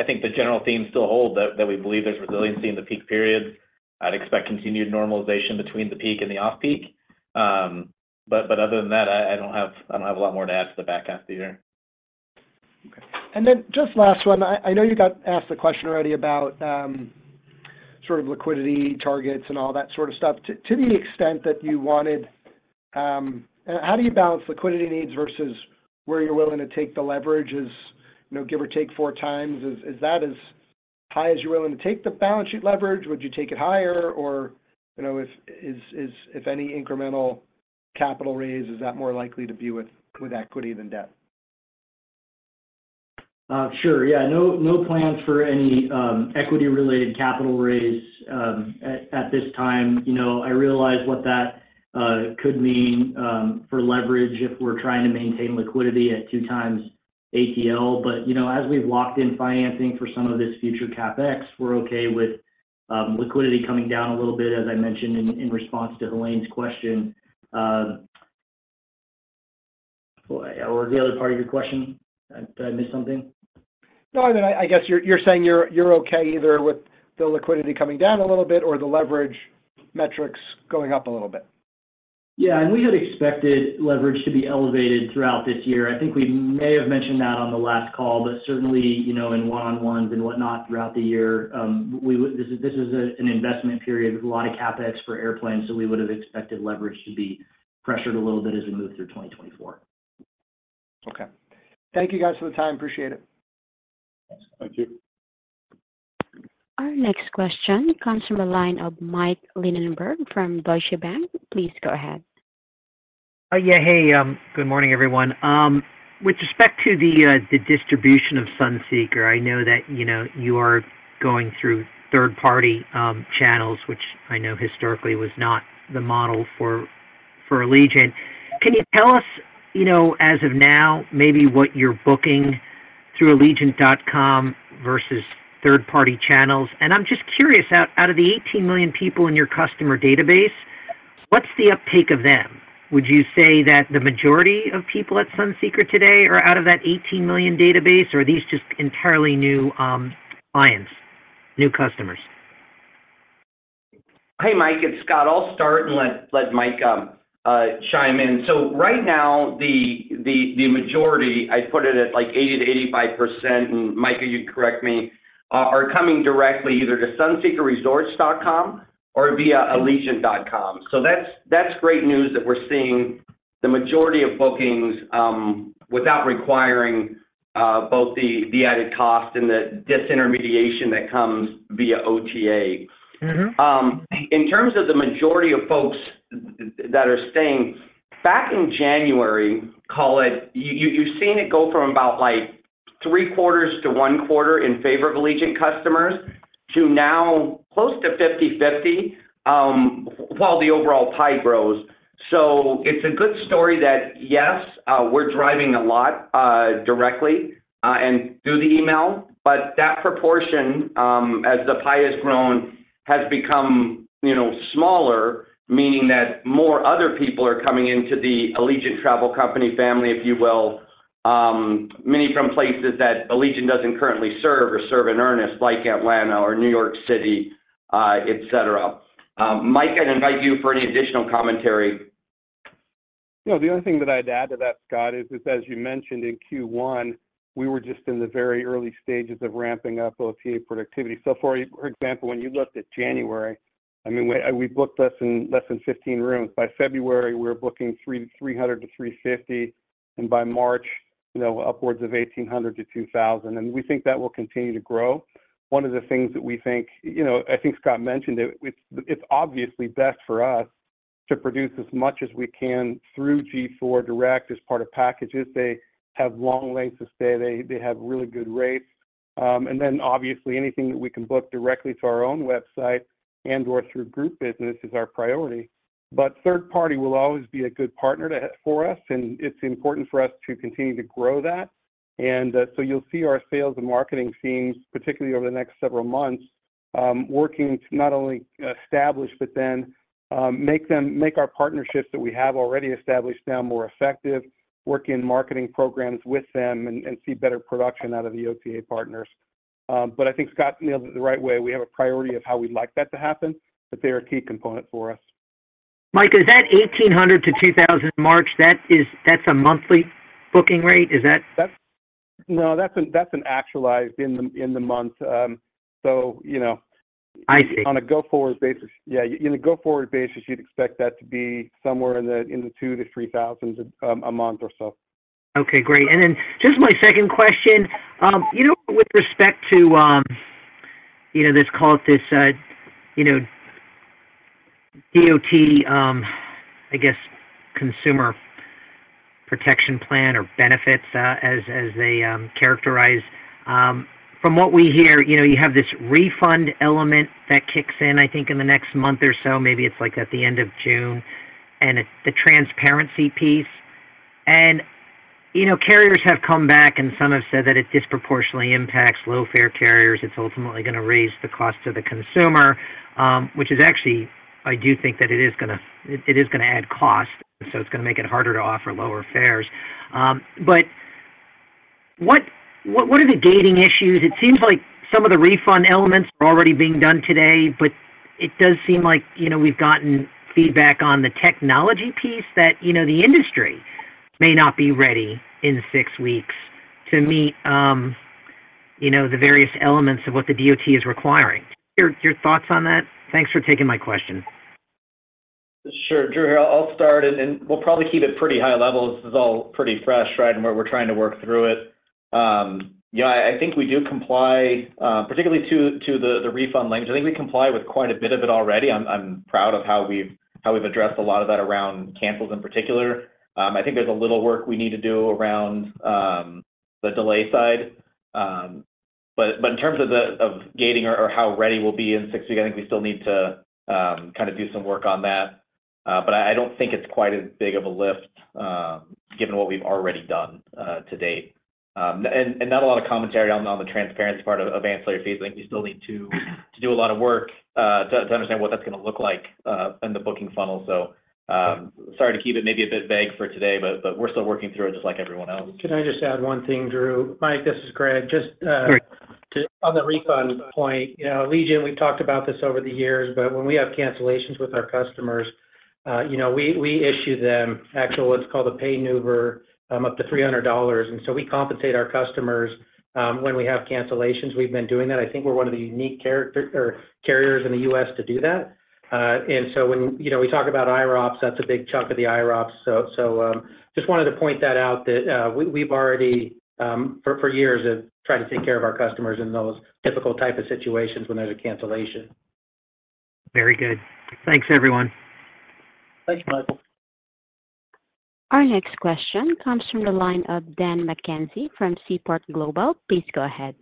S7: I think the general themes still hold that we believe there's resiliency in the peak period. I'd expect continued normalization between the peak and the off-peak. But other than that, I don't have a lot more to add to the back half of the year.
S13: Okay. And then just last one, I know you got asked the question already about sort of liquidity targets and all that sort of stuff. To the extent that you wanted... How do you balance liquidity needs versus where you're willing to take the leverage? Is, you know, give or take 4x, that as high as you're willing to take the balance sheet leverage? Would you take it higher? Or, you know, if any incremental capital raise, that more likely to be with equity than debt?
S8: Sure. Yeah, no, no plans for any equity-related capital raise at this time. You know, I realize what that could mean for leverage if we're trying to maintain liquidity at 2x ATL. But, you know, as we've locked in financing for some of this future CapEx, we're okay with liquidity coming down a little bit, as I mentioned in response to Helane's question. Well, or the other part of your question, did I miss something?
S13: No, I mean, I guess you're saying you're okay either with the liquidity coming down a little bit or the leverage metrics going up a little bit.
S8: Yeah, and we had expected leverage to be elevated throughout this year. I think we may have mentioned that on the last call, but certainly, you know, in one-on-ones and whatnot throughout the year, this is an investment period with a lot of CapEx for airplanes, so we would have expected leverage to be pressured a little bit as we move through 2024.
S13: Okay. Thank you guys for the time. Appreciate it.
S8: Thanks.
S1: Thank you. Our next question comes from a line of Michael Linenberg from Deutsche Bank. Please go ahead.
S14: Yeah. Hey, good morning, everyone. With respect to the distribution of Sunseeker, I know that, you know, you are going through third-party channels, which I know historically was not the model for Allegiant. Can you tell us, you know, as of now, maybe what you're booking through Allegiant.com versus third-party channels? And I'm just curious, out of the 18 million people in your customer database, what's the uptake of them? Would you say that the majority of people at Sunseeker today are out of that 18 million database, or are these just entirely new clients, new customers?
S6: Hey, Mike, it's Scott. I'll start and let Mike chime in. So right now, the majority, I'd put it at, like, 80%-85%, and Mike, you can correct me, are coming directly either to sunseekerresorts.com or via allegiant.com. So that's great news that we're seeing the majority of bookings without requiring both the added cost and the disintermediation that comes via OTA.
S14: Mm-hmm.
S6: In terms of the majority of folks that are staying, back in January, call it. You've seen it go from about, like, 3/4 to 1/4 in favor of Allegiant customers, to now close to 50/50, while the overall pie grows. So it's a good story that, yes, we're driving a lot directly and through the email, but that proportion, as the pie has grown, has become, you know, smaller, meaning that more other people are coming into the Allegiant Travel Company family, if you will, many from places that Allegiant doesn't currently serve or serve in earnest, like Atlanta or New York City, et cetera. Mike, I'd invite you for any additional commentary.
S5: You know, the only thing that I'd add to that, Scott, is, is as you mentioned in Q1, we were just in the very early stages of ramping up OTA productivity. So for, for example, when you looked at January, I mean, we, we booked less than, less than 15 rooms. By February, we were booking 300-350, and by March, you know, upwards of 1,800-2,000, and we think that will continue to grow. One of the things that we think, you know, I think Scott mentioned it, it's, it's obviously best for us to produce as much as we can through G4 direct as part of packages. They have long lengths of stay. They, they have really good rates. And then obviously, anything that we can book directly to our own website and/or through group business is our priority. But third party will always be a good partner to have for us, and it's important for us to continue to grow that. And, so you'll see our sales and marketing teams, particularly over the next several months, working to not only establish, but then, make our partnerships that we have already established them more effective, working marketing programs with them, and, and see better production out of the OTA partners. But I think Scott nailed it the right way. We have a priority of how we'd like that to happen, but they're a key component for us.
S14: Micah, is that 1,800-2,000 in March? That's a monthly booking rate? Is that-
S5: That's... No, that's an, that's an actualized in the, in the month. So, you know-
S14: I see.
S5: On a go-forward basis. Yeah, in a go-forward basis, you'd expect that to be somewhere in the 2,000-3,000 a month or so.
S14: Okay, great. Then just my second question, you know, with respect to, you know, let's call it this, you know, DOT, I guess, consumer protection plan or benefits, as, as they, characterize, from what we hear, you know, you have this refund element that kicks in, I think, in the next month or so, maybe it's, like, at the end of June, and it's the transparency piece. And, you know, carriers have come back, and some have said that it disproportionately impacts low-fare carriers. It's ultimately going to raise the cost to the consumer, which is actually, I do think that it is gonna—it is gonna add cost, so it's gonna make it harder to offer lower fares. But what, what, what are the gating issues? It seems like some of the refund elements are already being done today, but it does seem like, you know, we've gotten feedback on the technology piece that, you know, the industry may not be ready in six weeks to meet, you know, the various elements of what the DOT is requiring. Your, your thoughts on that? Thanks for taking my question.
S7: Sure. Drew here, I'll start, and we'll probably keep it pretty high level. This is all pretty fresh, right? And we're trying to work through it. Yeah, I think we do comply, particularly to the refund language. I think we comply with quite a bit of it already. I'm proud of how we've addressed a lot of that around cancels, in particular. I think there's a little work we need to do around the delay side. But in terms of gating or how ready we'll be in six weeks, I think we still need to kind of do some work on that. But I don't think it's quite as big of a lift, given what we've already done to date. And not a lot of commentary on the transparency part of ancillary fees. I think we still need to do a lot of work to understand what that's gonna look like in the booking funnel. So, sorry to keep it maybe a bit vague for today, but we're still working through it, just like everyone else.
S4: Can I just add one thing, Drew? Mike, this is Greg. On the refund point, you know, Allegiant, we've talked about this over the years, but when we have cancellations with our customers, you know, we issue them actual what's called a payment voucher, up to $300, and so we compensate our customers, when we have cancellations. We've been doing that. I think we're one of the unique carriers in the U.S. to do that. And so when, you know, we talk about IROPS, that's a big chunk of the IROPS. So just wanted to point that out, that we, we've already, for years have tried to take care of our customers in those difficult type of situations when there's a cancellation.
S14: Very good. Thanks, everyone.
S4: Thanks, bud.
S1: Our next question comes from the line of Dan McKenzie from Seaport Global. Please go ahead.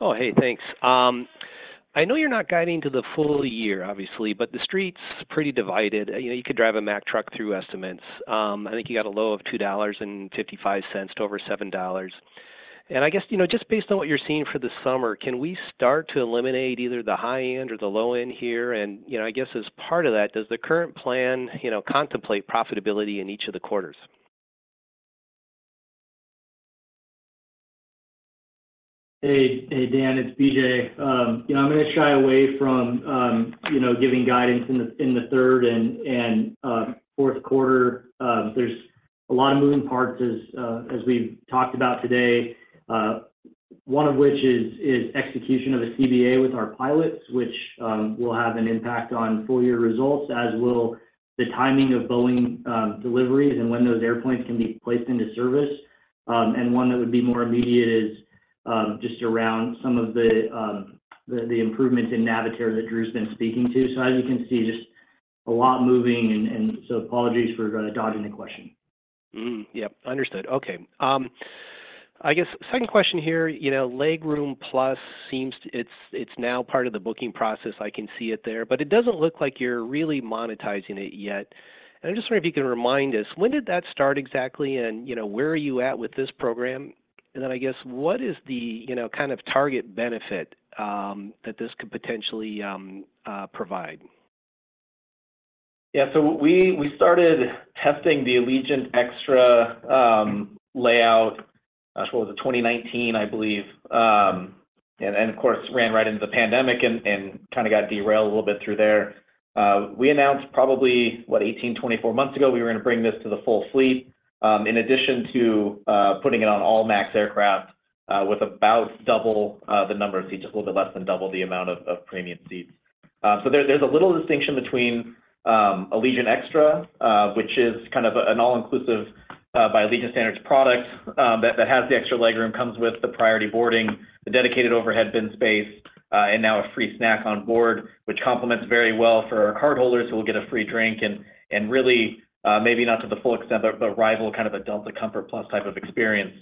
S15: Oh, hey, thanks. I know you're not guiding to the full year, obviously, but the street's pretty divided. You know, you could drive a Mack truck through estimates. I think you got a low of $2.55 to over $7. And I guess, you know, just based on what you're seeing for the summer, can we start to eliminate either the high end or the low end here? And, you know, I guess as part of that, does the current plan, you know, contemplate profitability in each of the quarters?
S8: Hey, hey, Dan, it's BJ. You know, I'm gonna shy away from, you know, giving guidance in the third and fourth quarter. There's a lot of moving parts as we've talked about today, one of which is execution of a CBA with our pilots, which will have an impact on full year results, as will the timing of Boeing deliveries and when those airplanes can be placed into service. And one that would be more immediate is just around some of the improvements in Navitaire that Drew's been speaking to. So as you can see, just a lot moving and so apologies for dodging the question.
S15: Mm-hmm. Yep, understood. Okay, I guess second question here, you know, Legroom+ seems to... It's, it's now part of the booking process. I can see it there, but it doesn't look like you're really monetizing it yet. And I'm just wondering if you can remind us, when did that start exactly, and, you know, where are you at with this program? Then I guess, what is the, you know, kind of target benefit that this could potentially provide?
S7: Yeah, so we started testing the Allegiant Extra layout, what was it? 2019, I believe, and then, of course, ran right into the pandemic and kind of got derailed a little bit through there. We announced probably, what? 18-24 months ago, we were going to bring this to the full fleet, in addition to putting it on all MAX aircraft, with about double the number of seats, a little bit less than double the amount of premium seats. So there's a little distinction between Allegiant Extra, which is kind of an all-inclusive, by Allegiant standards product, that has the extra legroom, comes with the priority boarding, the dedicated overhead bin space, and now a free snack on board, which complements very well for our cardholders who will get a free drink and really, maybe not to the full extent, but rival kind of a Delta Comfort+ type of experience,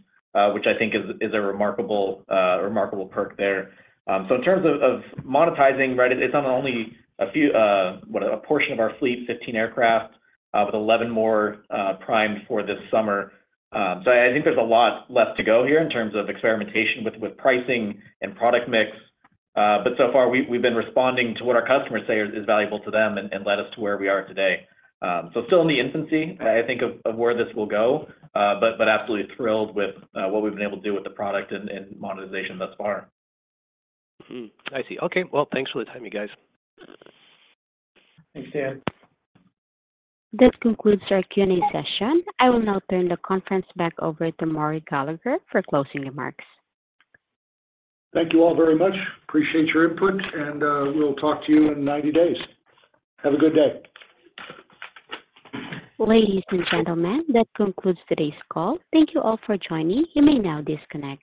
S7: which I think is a remarkable perk there. So in terms of monetizing, right, it's on only a few, with a portion of our fleet, 15 aircraft, with 11 more, primed for this summer. So I think there's a lot left to go here in terms of experimentation with pricing and product mix. But so far, we've been responding to what our customers say is valuable to them and led us to where we are today. So still in the infancy, I think, of where this will go, but absolutely thrilled with what we've been able to do with the product and monetization thus far.
S15: Hmm. I see. Okay, well, thanks for the time, you guys.
S7: Thanks, Dan.
S1: This concludes our Q&A session. I will now turn the conference back over to Maury Gallagher for closing remarks.
S3: Thank you all very much. Appreciate your input, and we'll talk to you in 90 days. Have a good day.
S1: Ladies and gentlemen, that concludes today's call. Thank you all for joining. You may now disconnect.